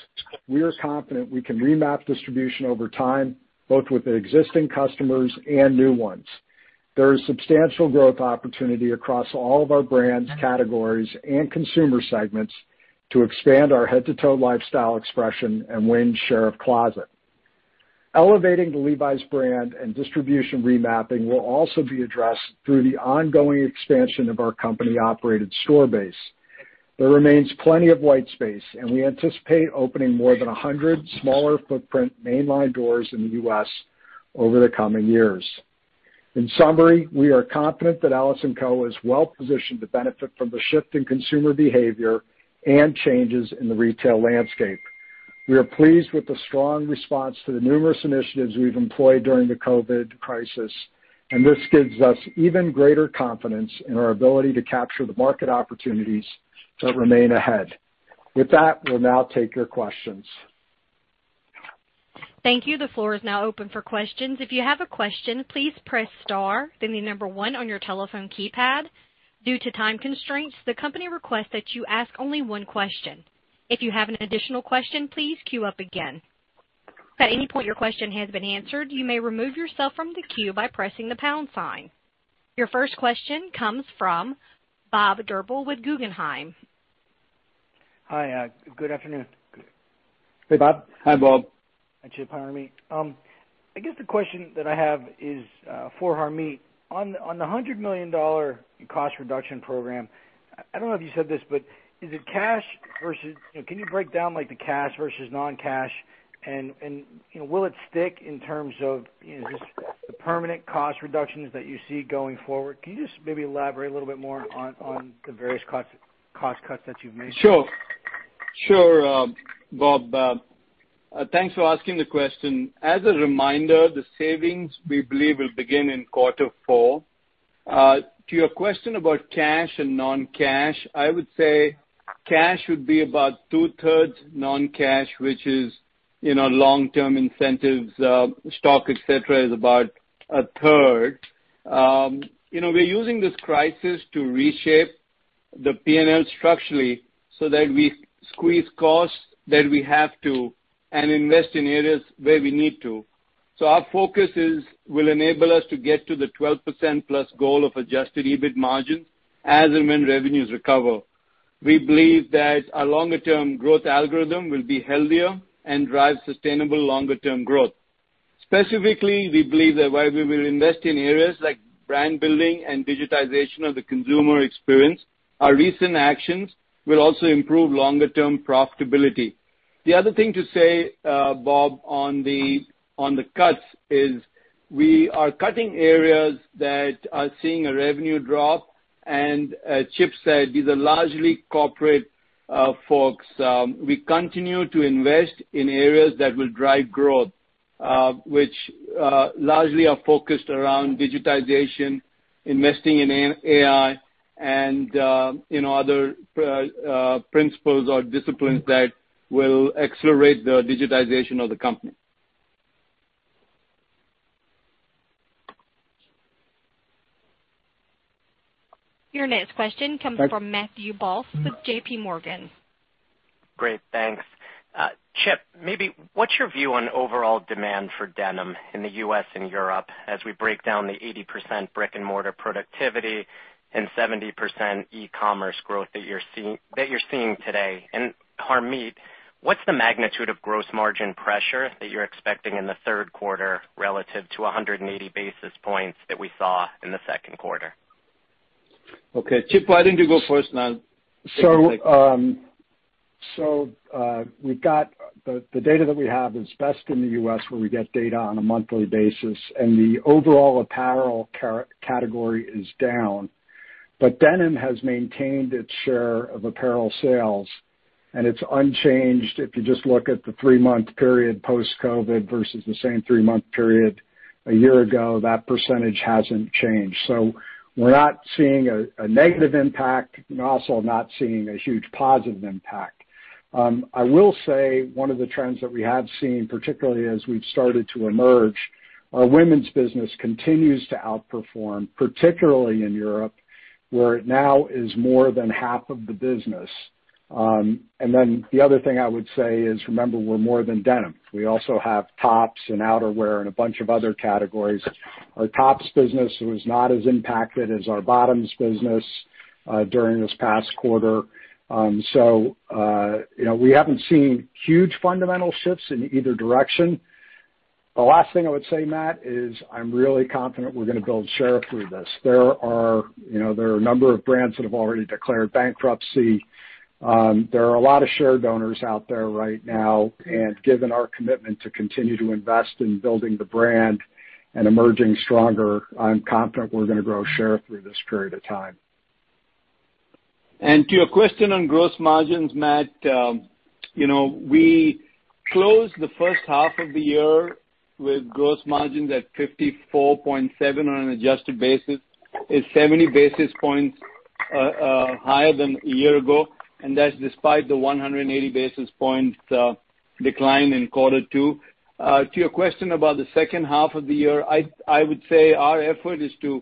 we are confident we can remap distribution over time, both with the existing customers and new ones. There is substantial growth opportunity across all of our brands, categories, and consumer segments to expand our head-to-toe lifestyle expression and win share of closet. Elevating the Levi's brand and distribution remapping will also be addressed through the ongoing expansion of our company-operated store base. There remains plenty of white space, and we anticipate opening more than 100 smaller footprint mainline doors in the U.S. over the coming years. In summary, we are confident that LS&Co. is well positioned to benefit from the shift in consumer behavior and changes in the retail landscape. We are pleased with the strong response to the numerous initiatives we've employed during the COVID-19 crisis, and this gives us even greater confidence in our ability to capture the market opportunities that remain ahead. With that, we'll now take your questions. Thank you. The floor is now open for questions. If you have a question, please press star, then the number 1 on your telephone keypad. Due to time constraints, the company requests that you ask only one question. If you have an additional question, please queue up again. If at any point your question has been answered, you may remove yourself from the queue by pressing the pound sign. Your first question comes from Bob Drbul with Guggenheim. Hi. Good afternoon. Hey, Bob. Hi, Bob. Hi, Chip. Hi, Harmit. I guess the question that I have is for Harmit. On the $100 million cost reduction program, I don't know if you said this, but can you break down, like, the cash versus non-cash, and will it stick in terms of just the permanent cost reductions that you see going forward? Can you just maybe elaborate a little bit more on the various cost cuts that you've made? Sure. Sure, Bob. Thanks for asking the question. As a reminder, the savings we believe will begin in quarter four. To your question about cash and non-cash, I would say cash would be about two-thirds non-cash, which is long-term incentives, stock, et cetera, is about a third. We're using this crisis to reshape the P&L structurally so that we squeeze costs that we have to and invest in areas where we need to. Our focus will enable us to get to the 12%+ goal of adjusted EBIT margins as and when revenues recover. We believe that our longer-term growth algorithm will be healthier and drive sustainable longer-term growth. Specifically, we believe that while we will invest in areas like brand building and digitization of the consumer experience, our recent actions will also improve longer-term profitability. The other thing to say, Bob, on the cuts is we are cutting areas that are seeing a revenue drop, and as Chip said, these are largely corporate folks. We continue to invest in areas that will drive growth, which largely are focused around digitization, investing in AI, and other principles or disciplines that will accelerate the digitization of the company. Your next question comes from Matthew Boss with JPMorgan. Great. Thanks. Chip, what's your view on overall demand for denim in the U.S. and Europe as we break down the 80% brick and mortar productivity and 70% e-commerce growth that you're seeing today? Harmit, what's the magnitude of gross margin pressure that you're expecting in the third quarter relative to 180 basis points that we saw in the second quarter? Okay. Chip, why don't you go first and I'll take the second? The data that we have is best in the U.S. where we get data on a monthly basis, and the overall apparel category is down. Denim has maintained its share of apparel sales, and it's unchanged if you just look at the three-month period post-COVID versus the same three-month period a year ago. That percentage hasn't changed. We're not seeing a negative impact. We're also not seeing a huge positive impact. I will say one of the trends that we have seen, particularly as we've started to emerge, our women's business continues to outperform, particularly in Europe, where it now is more than half of the business. The other thing I would say is, remember, we're more than denim. We also have tops and outerwear and a bunch of other categories. Our tops business was not as impacted as our bottoms business during this past quarter. We haven't seen huge fundamental shifts in either direction. The last thing I would say, Matt, is I'm really confident we're going to build share through this. There are a number of brands that have already declared bankruptcy. There are a lot of share donors out there right now, given our commitment to continue to invest in building the brand and emerging stronger, I'm confident we're going to grow share through this period of time. To your question on gross margins, Matt, we closed the first half of the year with gross margins at 54.7% on an adjusted basis, is 70 basis points higher than a year ago, and that's despite the 180 basis points decline in quarter two. To your question about the second half of the year, I would say our effort is to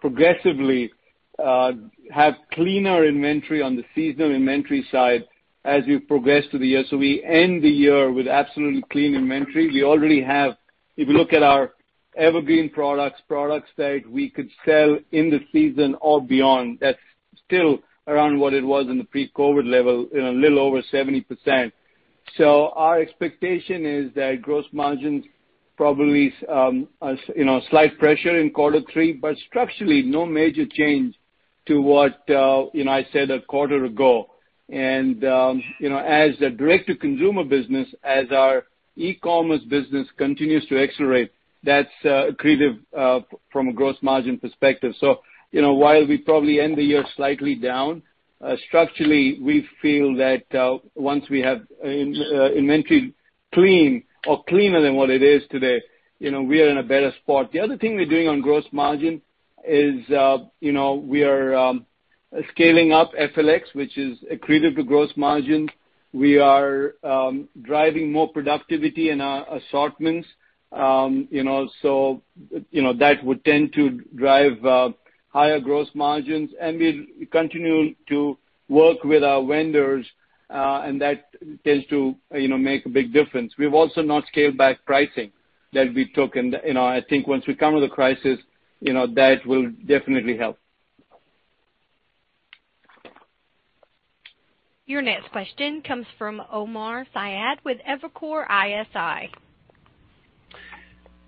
progressively have cleaner inventory on the seasonal inventory side as we progress through the year, so we end the year with absolutely clean inventory. If you look at our evergreen products that we could sell in the season or beyond, that's still around what it was in the pre-COVID-19 level, a little over 70%. Our expectation is that gross margins probably slight pressure in quarter three, but structurally no major change to what I said a quarter ago. As a direct-to-consumer business, as our e-commerce business continues to accelerate, that's accretive from a gross margin perspective. While we probably end the year slightly down, structurally, we feel that once we have inventory clean or cleaner than what it is today, we are in a better spot. The other thing we're doing on gross margin is we are scaling up FLX, which is accretive to gross margin. We are driving more productivity in our assortments. That would tend to drive higher gross margins, and we continue to work with our vendors, and that tends to make a big difference. We've also not scaled back pricing that we took, and I think once we come out of the crisis, that will definitely help. Your next question comes from Omar Saad with Evercore ISI.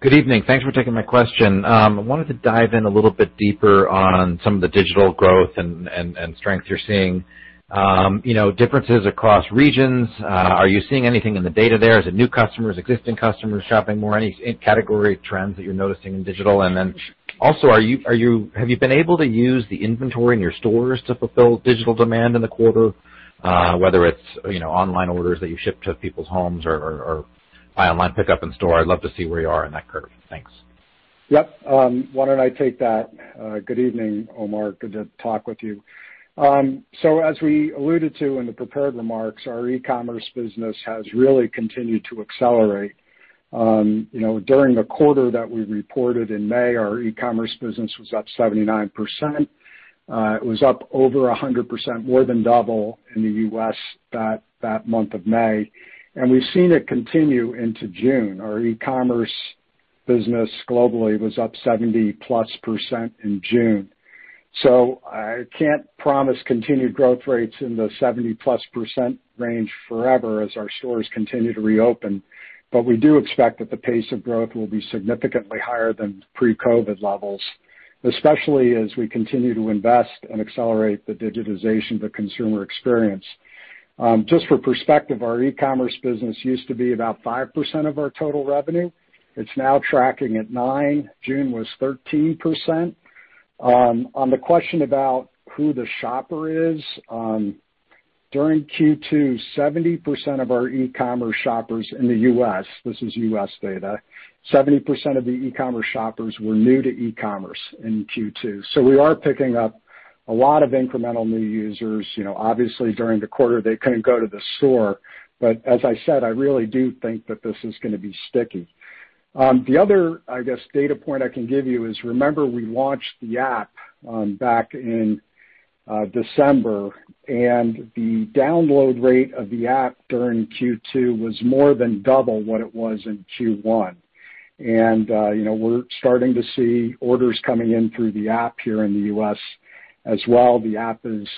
Good evening. Thanks for taking my question. I wanted to dive in a little bit deeper on some of the digital growth and strength you're seeing. Differences across regions. Are you seeing anything in the data there? Is it new customers, existing customers shopping more? Any category trends that you're noticing in digital? Then also, have you been able to use the inventory in your stores to fulfill digital demand in the quarter, whether it's online orders that you ship to people's homes or buy online, pick up in store? I'd love to see where you are in that curve. Thanks. Yep. Why don't I take that? Good evening, Omar. Good to talk with you. As we alluded to in the prepared remarks, our e-commerce business has really continued to accelerate. During the quarter that we reported in May, our e-commerce business was up 79%. It was up over 100%, more than double in the U.S. that month of May, and we've seen it continue into June. Our e-commerce business globally was up 70-plus % in June. I can't promise continued growth rates in the 70-plus % range forever as our stores continue to reopen. We do expect that the pace of growth will be significantly higher than pre-COVID levels, especially as we continue to invest and accelerate the digitization of the consumer experience. Just for perspective, our e-commerce business used to be about 5% of our total revenue. It's now tracking at 9%. June was 13%. On the question about who the shopper is, during Q2, 70% of our e-commerce shoppers in the U.S., this is U.S. data, 70% of the e-commerce shoppers were new to e-commerce in Q2. We are picking up a lot of incremental new users. Obviously, during the quarter, they couldn't go to the store. As I said, I really do think that this is going to be sticky. The other, I guess, data point I can give you is, remember, we launched the app back in December, and the download rate of the app during Q2 was more than double what it was in Q1. We're starting to see orders coming in through the app here in the U.S. as well. The app is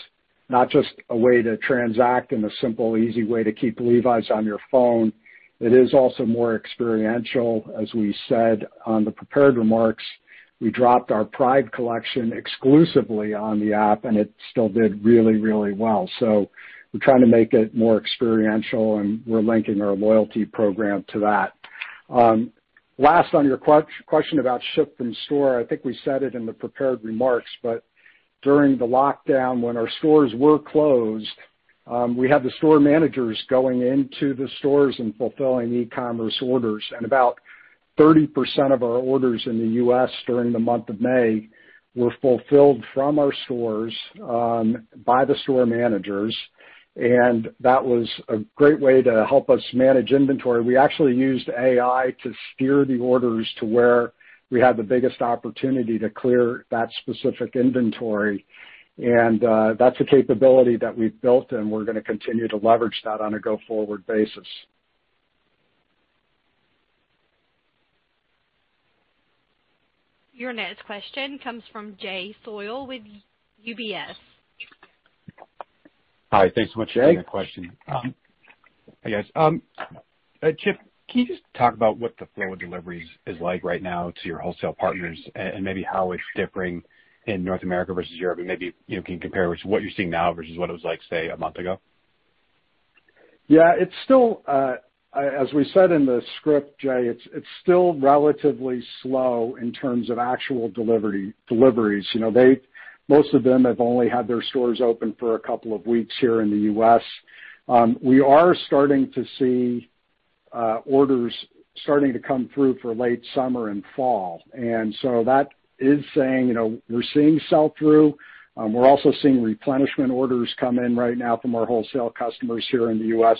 not just a way to transact and a simple, easy way to keep Levi's on your phone. It is also more experiential. As we said on the prepared remarks, we dropped our Pride collection exclusively on the app. It still did really well. We're trying to make it more experiential. We're linking our loyalty program to that. Last, on your question about ship from store, I think we said it in the prepared remarks. During the lockdown, when our stores were closed, we had the store managers going into the stores and fulfilling e-commerce orders. About 30% of our orders in the U.S. during the month of May were fulfilled from our stores by the store managers. That was a great way to help us manage inventory. We actually used AI to steer the orders to where we had the biggest opportunity to clear that specific inventory. That's a capability that we've built. We're going to continue to leverage that on a go-forward basis. Your next question comes from Jay Sole with UBS. Hi. Thanks so much for taking the question. Jay. Hi, guys. Chip, can you just talk about what the flow of deliveries is like right now to your wholesale partners and maybe how it's differing in North America versus Europe? Maybe you can compare what you're seeing now versus what it was like, say, a month ago. Yeah. As we said in the script, Jay, it's still relatively slow in terms of actual deliveries. Most of them have only had their stores open for a couple of weeks here in the U.S. We are starting to see orders starting to come through for late summer and fall. So that is saying, we're seeing sell-through. We're also seeing replenishment orders come in right now from our wholesale customers here in the U.S.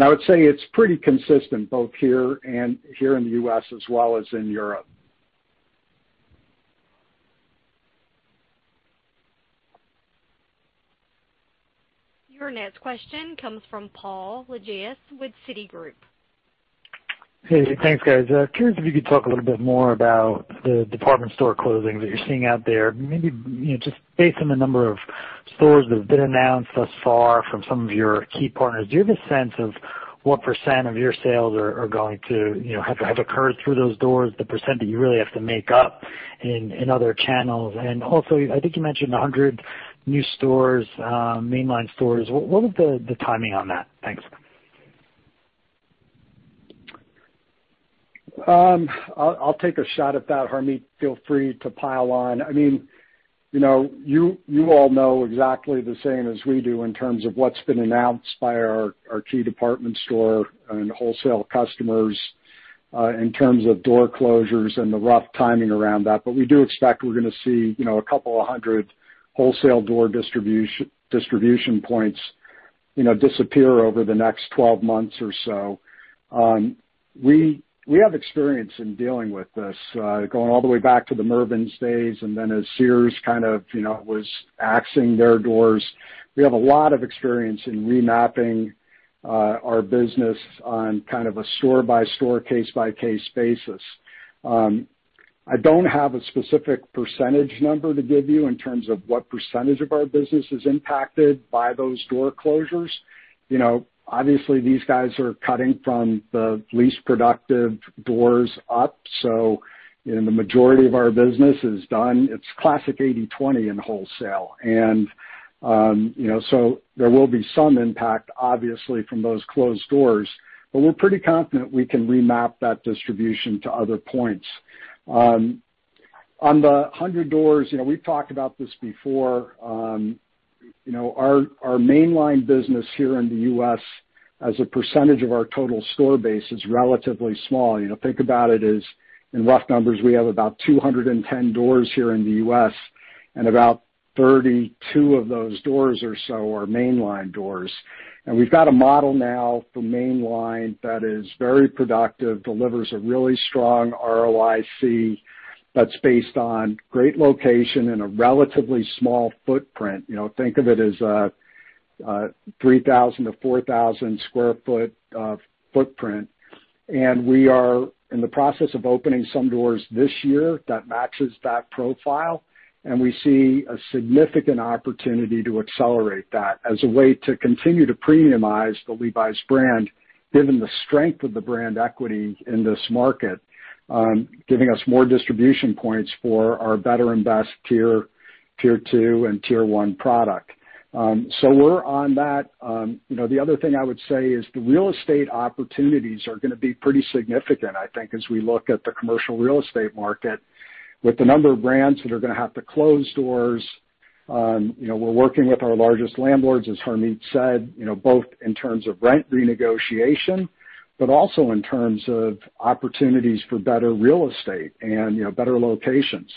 I would say it's pretty consistent both here and here in the U.S. as well as in Europe. Your next question comes from Paul Lejuez with Citigroup. Hey. Thanks, guys. Curious if you could talk a little bit more about the department store closings that you're seeing out there. Maybe just based on the number of stores that have been announced thus far from some of your key partners. Do you have a sense of what % of your sales have occurred through those doors, the % that you really have to make up in other channels? Also, I think you mentioned 100 new stores, mainline stores. What is the timing on that? Thanks. I'll take a shot at that, Harmit. Feel free to pile on. You all know exactly the same as we do in terms of what's been announced by our key department store and wholesale customers in terms of door closures and the rough timing around that. We do expect we're going to see a couple of 100 wholesale door distribution points disappear over the next 12 months or so. We have experience in dealing with this, going all the way back to the Mervyn's days, and then as Sears kind of was axing their doors. We have a lot of experience in remapping our business on kind of a store-by-store, case-by-case basis. I don't have a specific percentage number to give you in terms of what percentage of our business is impacted by those door closures. Obviously, these guys are cutting from the least productive doors up, so the majority of our business is done. It's classic 80/20 in wholesale. There will be some impact, obviously, from those closed doors, but we're pretty confident we can remap that distribution to other points. On the 100 doors, we've talked about this before. Our mainline business here in the U.S., as a percentage of our total store base, is relatively small. Think about it as, in rough numbers, we have about 210 doors here in the U.S., and about 32 of those doors or so are mainline doors. We've got a model now for mainline that is very productive, delivers a really strong ROIC that's based on great location and a relatively small footprint. Think of it as a 3,000 to 4,000 square foot footprint. We are in the process of opening some doors this year that matches that profile, and we see a significant opportunity to accelerate that as a way to continue to premiumize the Levi's brand, given the strength of the brand equity in this market, giving us more distribution points for our better and best tier 2 and tier 1 product. We're on that. The other thing I would say is the real estate opportunities are going to be pretty significant, I think, as we look at the commercial real estate market. With the number of brands that are going to have to close doors, we're working with our largest landlords, as Harmit said, both in terms of rent renegotiation, but also in terms of opportunities for better real estate and better locations.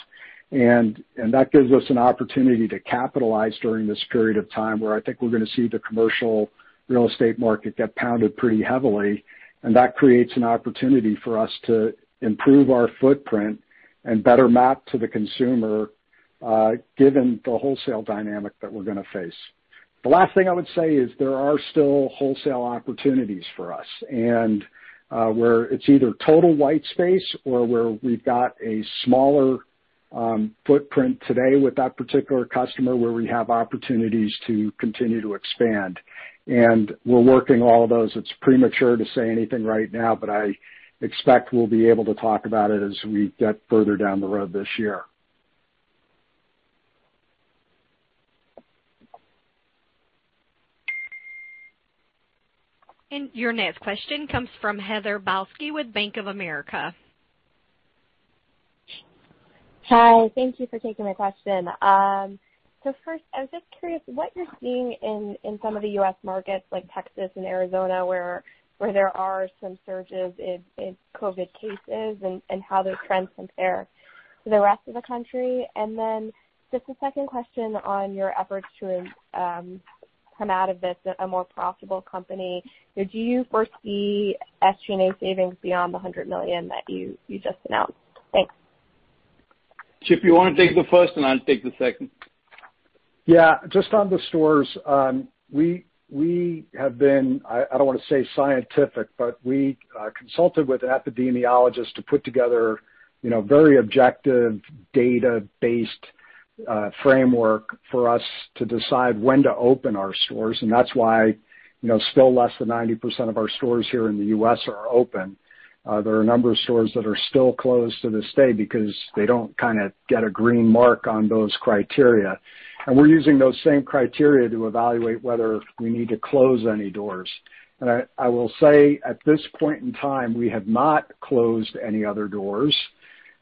That gives us an opportunity to capitalize during this period of time, where I think we're going to see the commercial real estate market get pounded pretty heavily, and that creates an opportunity for us to improve our footprint and better map to the consumer, given the wholesale dynamic that we're going to face. The last thing I would say is there are still wholesale opportunities for us, and where it's either total white space or where we've got a smaller footprint today with that particular customer, where we have opportunities to continue to expand. We're working all of those. It's premature to say anything right now, but I expect we'll be able to talk about it as we get further down the road this year. Your next question comes from Heather Balsky with Bank of America. Hi. Thank you for taking my question. First, I was just curious what you're seeing in some of the U.S. markets like Texas and Arizona, where there are some surges in COVID-19 cases, and how those trends compare to the rest of the country. Just a second question on your efforts to come out of this a more profitable company. Do you foresee SG&A savings beyond the $100 million that you just announced? Thanks. Chip, you want to take the first, and I'll take the second? Yeah. Just on the stores, we have been, I don't want to say scientific, but we consulted with an epidemiologist to put together very objective, data-based framework for us to decide when to open our stores. That's why still less than 90% of our stores here in the U.S. are open. There are a number of stores that are still closed to this day because they don't get a green mark on those criteria. We're using those same criteria to evaluate whether we need to close any doors. I will say, at this point in time, we have not closed any other doors,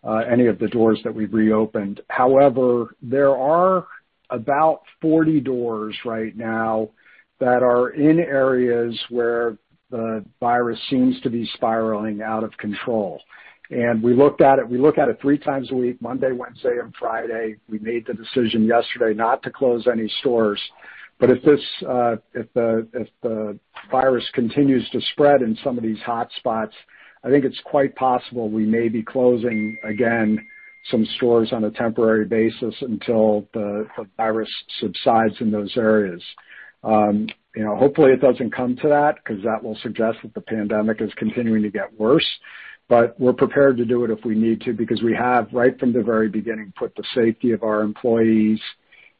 any of the doors that we've reopened. However, there are about 40 doors right now that are in areas where the virus seems to be spiraling out of control. We look at it three times a week, Monday, Wednesday, and Friday. We made the decision yesterday not to close any stores. If the virus continues to spread in some of these hot spots, I think it's quite possible we may be closing, again, some stores on a temporary basis until the virus subsides in those areas. Hopefully, it doesn't come to that, because that will suggest that the pandemic is continuing to get worse. We're prepared to do it if we need to, because we have, right from the very beginning, put the safety of our employees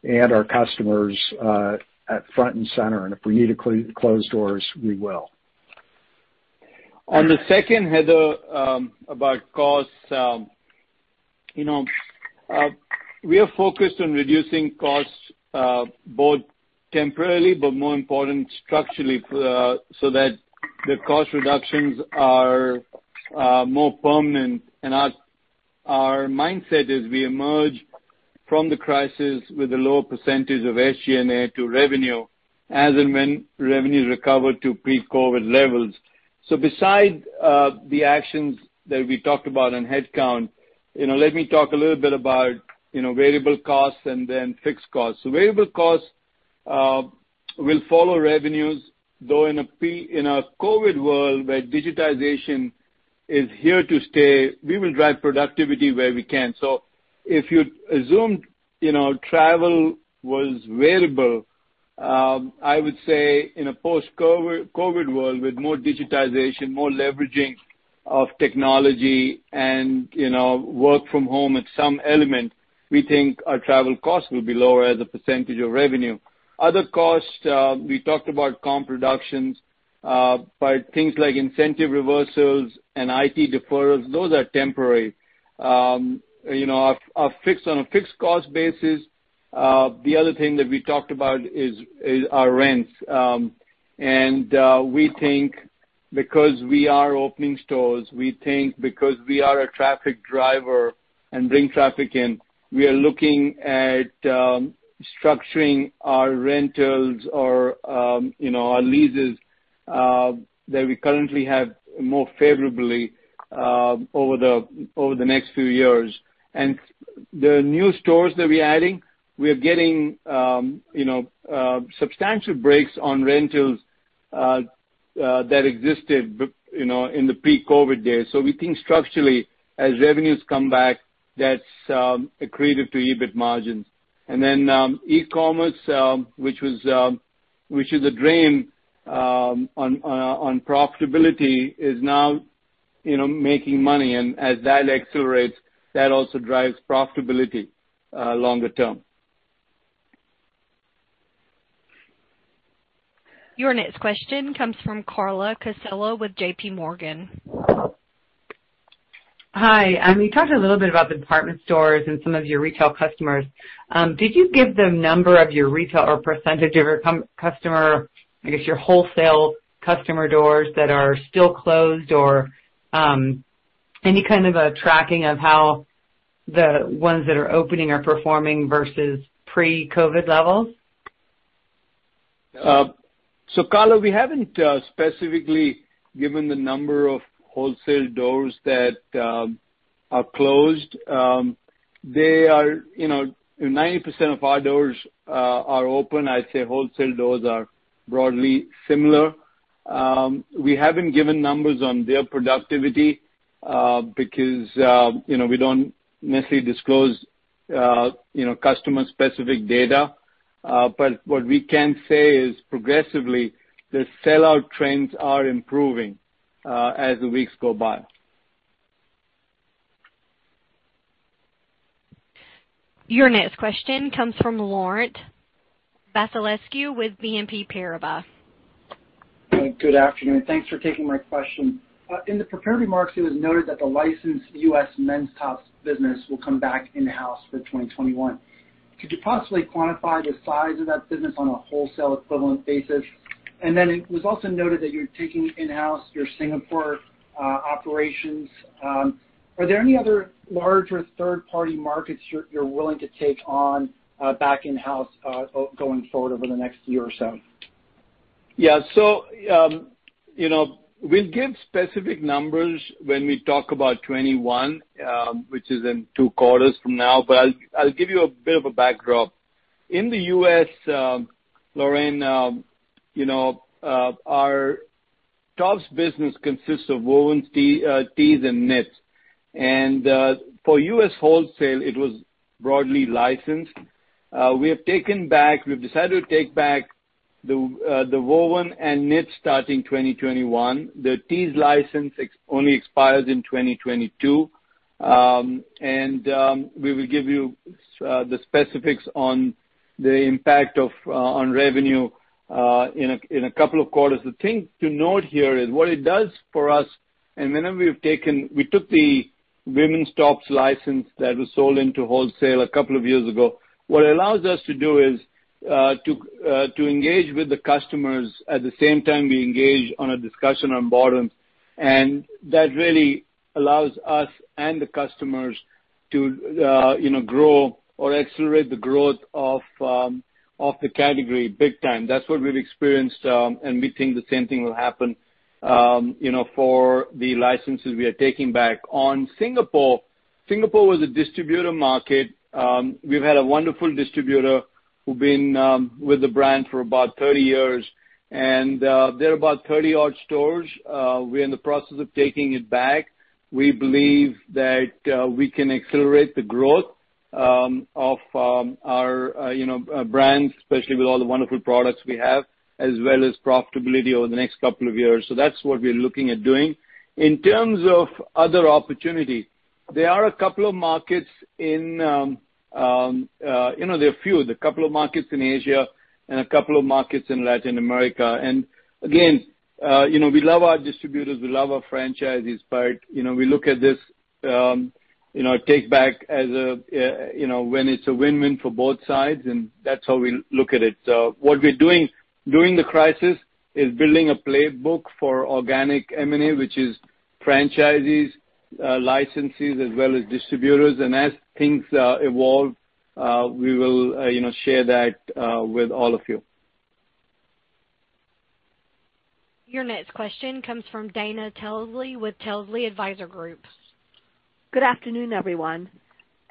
and our customers at front and center. If we need to close doors, we will. On the second, Heather, about costs. We are focused on reducing costs both temporarily, but more important, structurally, so that the cost reductions are more permanent. Our mindset is we emerge from the crisis with a lower % of SG&A to revenue, as and when revenues recover to pre-COVID levels. Beside the actions that we talked about on headcount, let me talk a little bit about variable costs and then fixed costs. Variable costs will follow revenues, though in a COVID world where digitization is here to stay, we will drive productivity where we can. If you assumed travel was variable, I would say in a post-COVID world with more digitization, more leveraging of technology and work from home at some element, we think our travel costs will be lower as a % of revenue. Other costs, we talked about comp reductions, but things like incentive reversals and IT deferrals, those are temporary. On a fixed cost basis, the other thing that we talked about is our rents. Because we are opening stores, we think because we are a traffic driver and bring traffic in, we are looking at structuring our rentals or our leases that we currently have more favorably over the next few years. The new stores that we're adding, we are getting substantial breaks on rentals that existed in the pre-COVID days. We think structurally, as revenues come back, that's accretive to EBIT margins. E-commerce, which is a drain on profitability, is now making money. As that accelerates, that also drives profitability longer term. Your next question comes from Carla Casella with J.P. Morgan. Hi. You talked a little bit about the department stores and some of your retail customers. Did you give the number of your retail or percentage of your customer, I guess, your wholesale customer doors that are still closed or any kind of a tracking of how the ones that are opening are performing versus pre-COVID-19 levels? Carla, we haven't specifically given the number of wholesale doors that are closed. 90% of our doors are open. I'd say wholesale doors are broadly similar. We haven't given numbers on their productivity, because we don't necessarily disclose customer specific data. What we can say is progressively, the sellout trends are improving as the weeks go by. Your next question comes from Laurent Vasilescu with BNP Paribas. Good afternoon. Thanks for taking my question. In the prepared remarks, it was noted that the licensed U.S. men's tops business will come back in-house for 2021. Could you possibly quantify the size of that business on a wholesale equivalent basis? It was also noted that you're taking in-house your Singapore operations. Are there any other large or third-party markets you're willing to take on back in-house, going forward over the next year or so? We'll give specific numbers when we talk about 2021, which is in two quarters from now. I'll give you a bit of a backdrop. In the U.S., Laurent, our tops business consists of woven tees and knits. For U.S. wholesale, it was broadly licensed. We've decided to take back the woven and knit starting 2021. The tees license only expires in 2022. We will give you the specifics on the impact on revenue in a couple of quarters. The thing to note here is what it does for us, whenever we took the women's tops license that was sold into wholesale a couple of years ago. What it allows us to do is to engage with the customers. At the same time, we engage on a discussion on bottom. That really allows us and the customers to grow or accelerate the growth of the category big time. That's what we've experienced, and we think the same thing will happen for the licenses we are taking back. Singapore was a distributor market. We've had a wonderful distributor who've been with the brand for about 30 years, and there are about 30-odd stores. We're in the process of taking it back. We believe that we can accelerate the growth of our brands, especially with all the wonderful products we have, as well as profitability over the next two years. That's what we're looking at doing. In terms of other opportunities, there are two markets, there are a few. There are two markets in Asia and two markets in Latin America. Again, we love our distributors, we love our franchisees. We look at this take back as a win-win for both sides, and that's how we look at it. What we're doing during the crisis is building a playbook for organic M&A, which is franchisees, licensees, as well as distributors. As things evolve, we will share that with all of you. Your next question comes from Dana Telsey with Telsey Advisory Group. Good afternoon, everyone.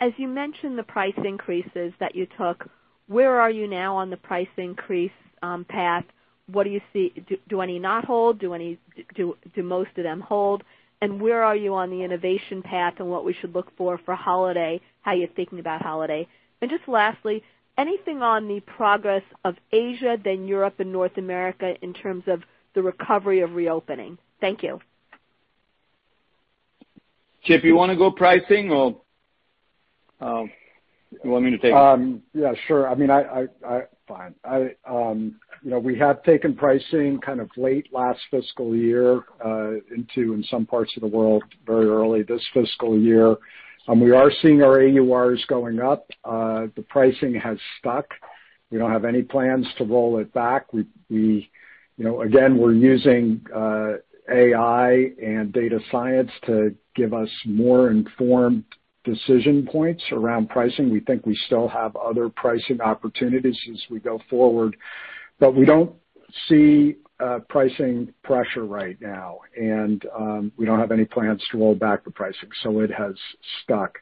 As you mentioned, the price increases that you took, where are you now on the price increase path? Do any not hold? Do most of them hold? Where are you on the innovation path and what we should look for for holiday, how you're thinking about holiday? Just lastly, anything on the progress of Asia, then Europe and North America in terms of the recovery of reopening? Thank you. Chip, you want to go pricing, or you want me to take it? Yeah, sure. Fine. We have taken pricing late last fiscal year into, in some parts of the world, very early this fiscal year. We are seeing our AURs going up. The pricing has stuck. We don't have any plans to roll it back. Again, we're using AI and data science to give us more informed decision points around pricing. We think we still have other pricing opportunities as we go forward, but we don't see pricing pressure right now, and we don't have any plans to roll back the pricing. It has stuck.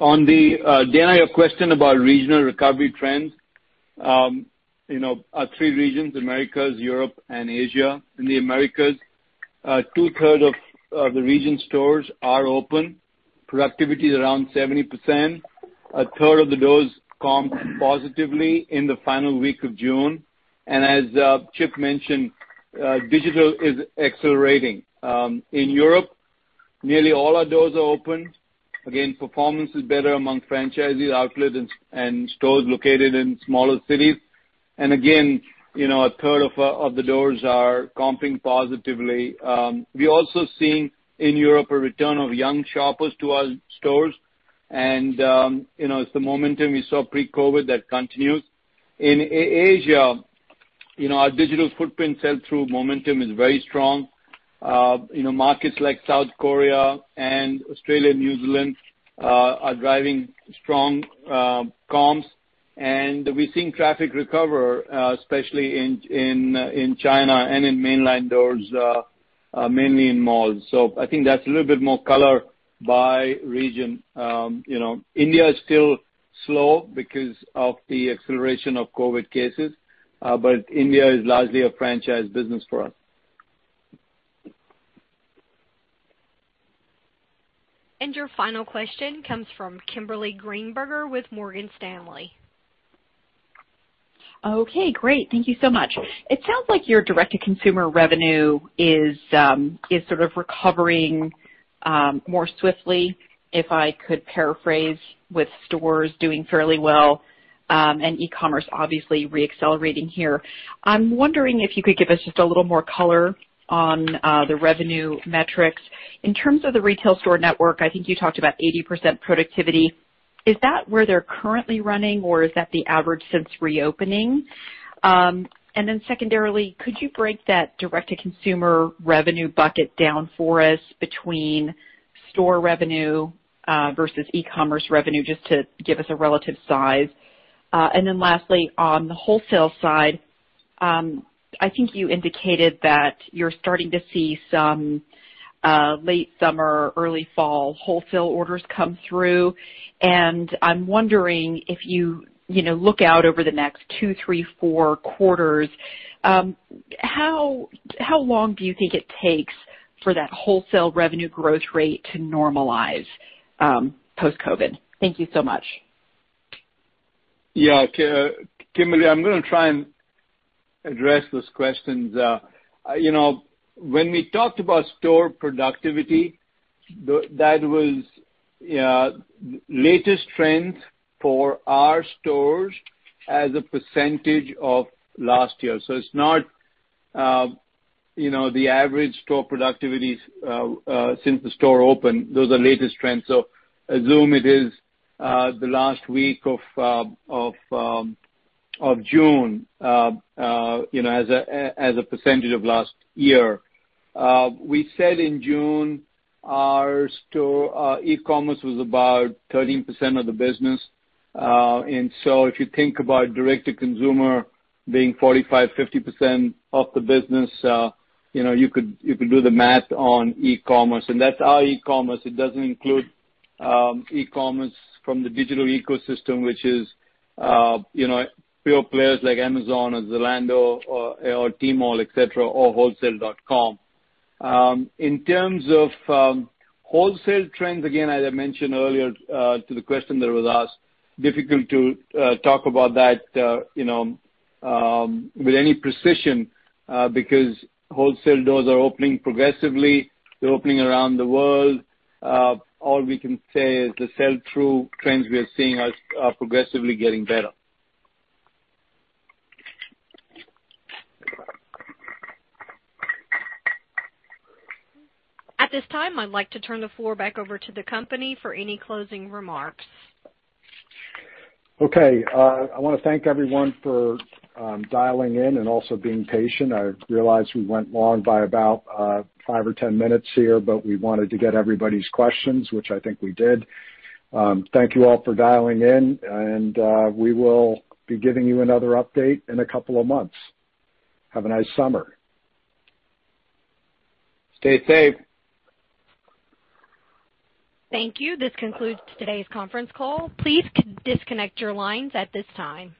On the Dana question about regional recovery trends. Our three regions, Americas, Europe, and Asia. In the Americas, two-thirds of the region stores are open. Productivity is around 70%. A third of the doors comped positively in the final week of June. As Chip mentioned, digital is accelerating. In Europe, nearly all our doors are open. Again, performance is better among franchisees, outlet, and stores located in smaller cities. Again, a third of the doors are comping positively. We also seen in Europe a return of young shoppers to our stores, and it's the momentum we saw pre-COVID that continues. In Asia, our digital footprint sell-through momentum is very strong. Markets like South Korea and Australia, New Zealand are driving strong comps. We're seeing traffic recover, especially in China and in mainland doors, mainly in malls. I think that's a little bit more color by region. India is still slow because of the acceleration of COVID cases. India is largely a franchise business for us. Your final question comes from Kimberly Greenberger with Morgan Stanley. Okay, great. Thank you so much. It sounds like your direct-to-consumer revenue is sort of recovering more swiftly, if I could paraphrase, with stores doing fairly well, and e-commerce obviously re-accelerating here. I'm wondering if you could give us just a little more color on the revenue metrics. In terms of the retail store network, I think you talked about 80% productivity. Is that where they're currently running, or is that the average since reopening? Secondarily, could you break that direct-to-consumer revenue bucket down for us between store revenue versus e-commerce revenue, just to give us a relative size? Lastly, on the wholesale side, I think you indicated that you're starting to see some late summer, early fall wholesale orders come through. I'm wondering if you look out over the next two, three, four quarters, how long do you think it takes for that wholesale revenue growth rate to normalize post-COVID? Thank you so much. Kimberly, I'm going to try and address those questions. When we talked about store productivity, that was latest trends for our stores as a percentage of last year. It's not the average store productivity since the store opened. Those are latest trends. Assume it is the last week of June, as a percentage of last year. We said in June, our store e-commerce was about 13% of the business. If you think about direct-to-consumer being 45%, 50% of the business, you could do the math on e-commerce, and that's our e-commerce. It doesn't include e-commerce from the digital ecosystem, which is pure players like Amazon or Zalando or Tmall, et cetera, or wholesale.com. In terms of wholesale trends, again, as I mentioned earlier, to the question that was asked, difficult to talk about that with any precision because wholesale doors are opening progressively. They're opening around the world. All we can say is the sell-through trends we are seeing are progressively getting better. At this time, I'd like to turn the floor back over to the company for any closing remarks. Okay. I want to thank everyone for dialing in and also being patient. I realize we went long by about five or 10 minutes here, but we wanted to get everybody's questions, which I think we did. Thank you all for dialing in, and we will be giving you another update in a couple of months. Have a nice summer. Stay safe. Thank you. This concludes today's conference call. Please disconnect your lines at this time.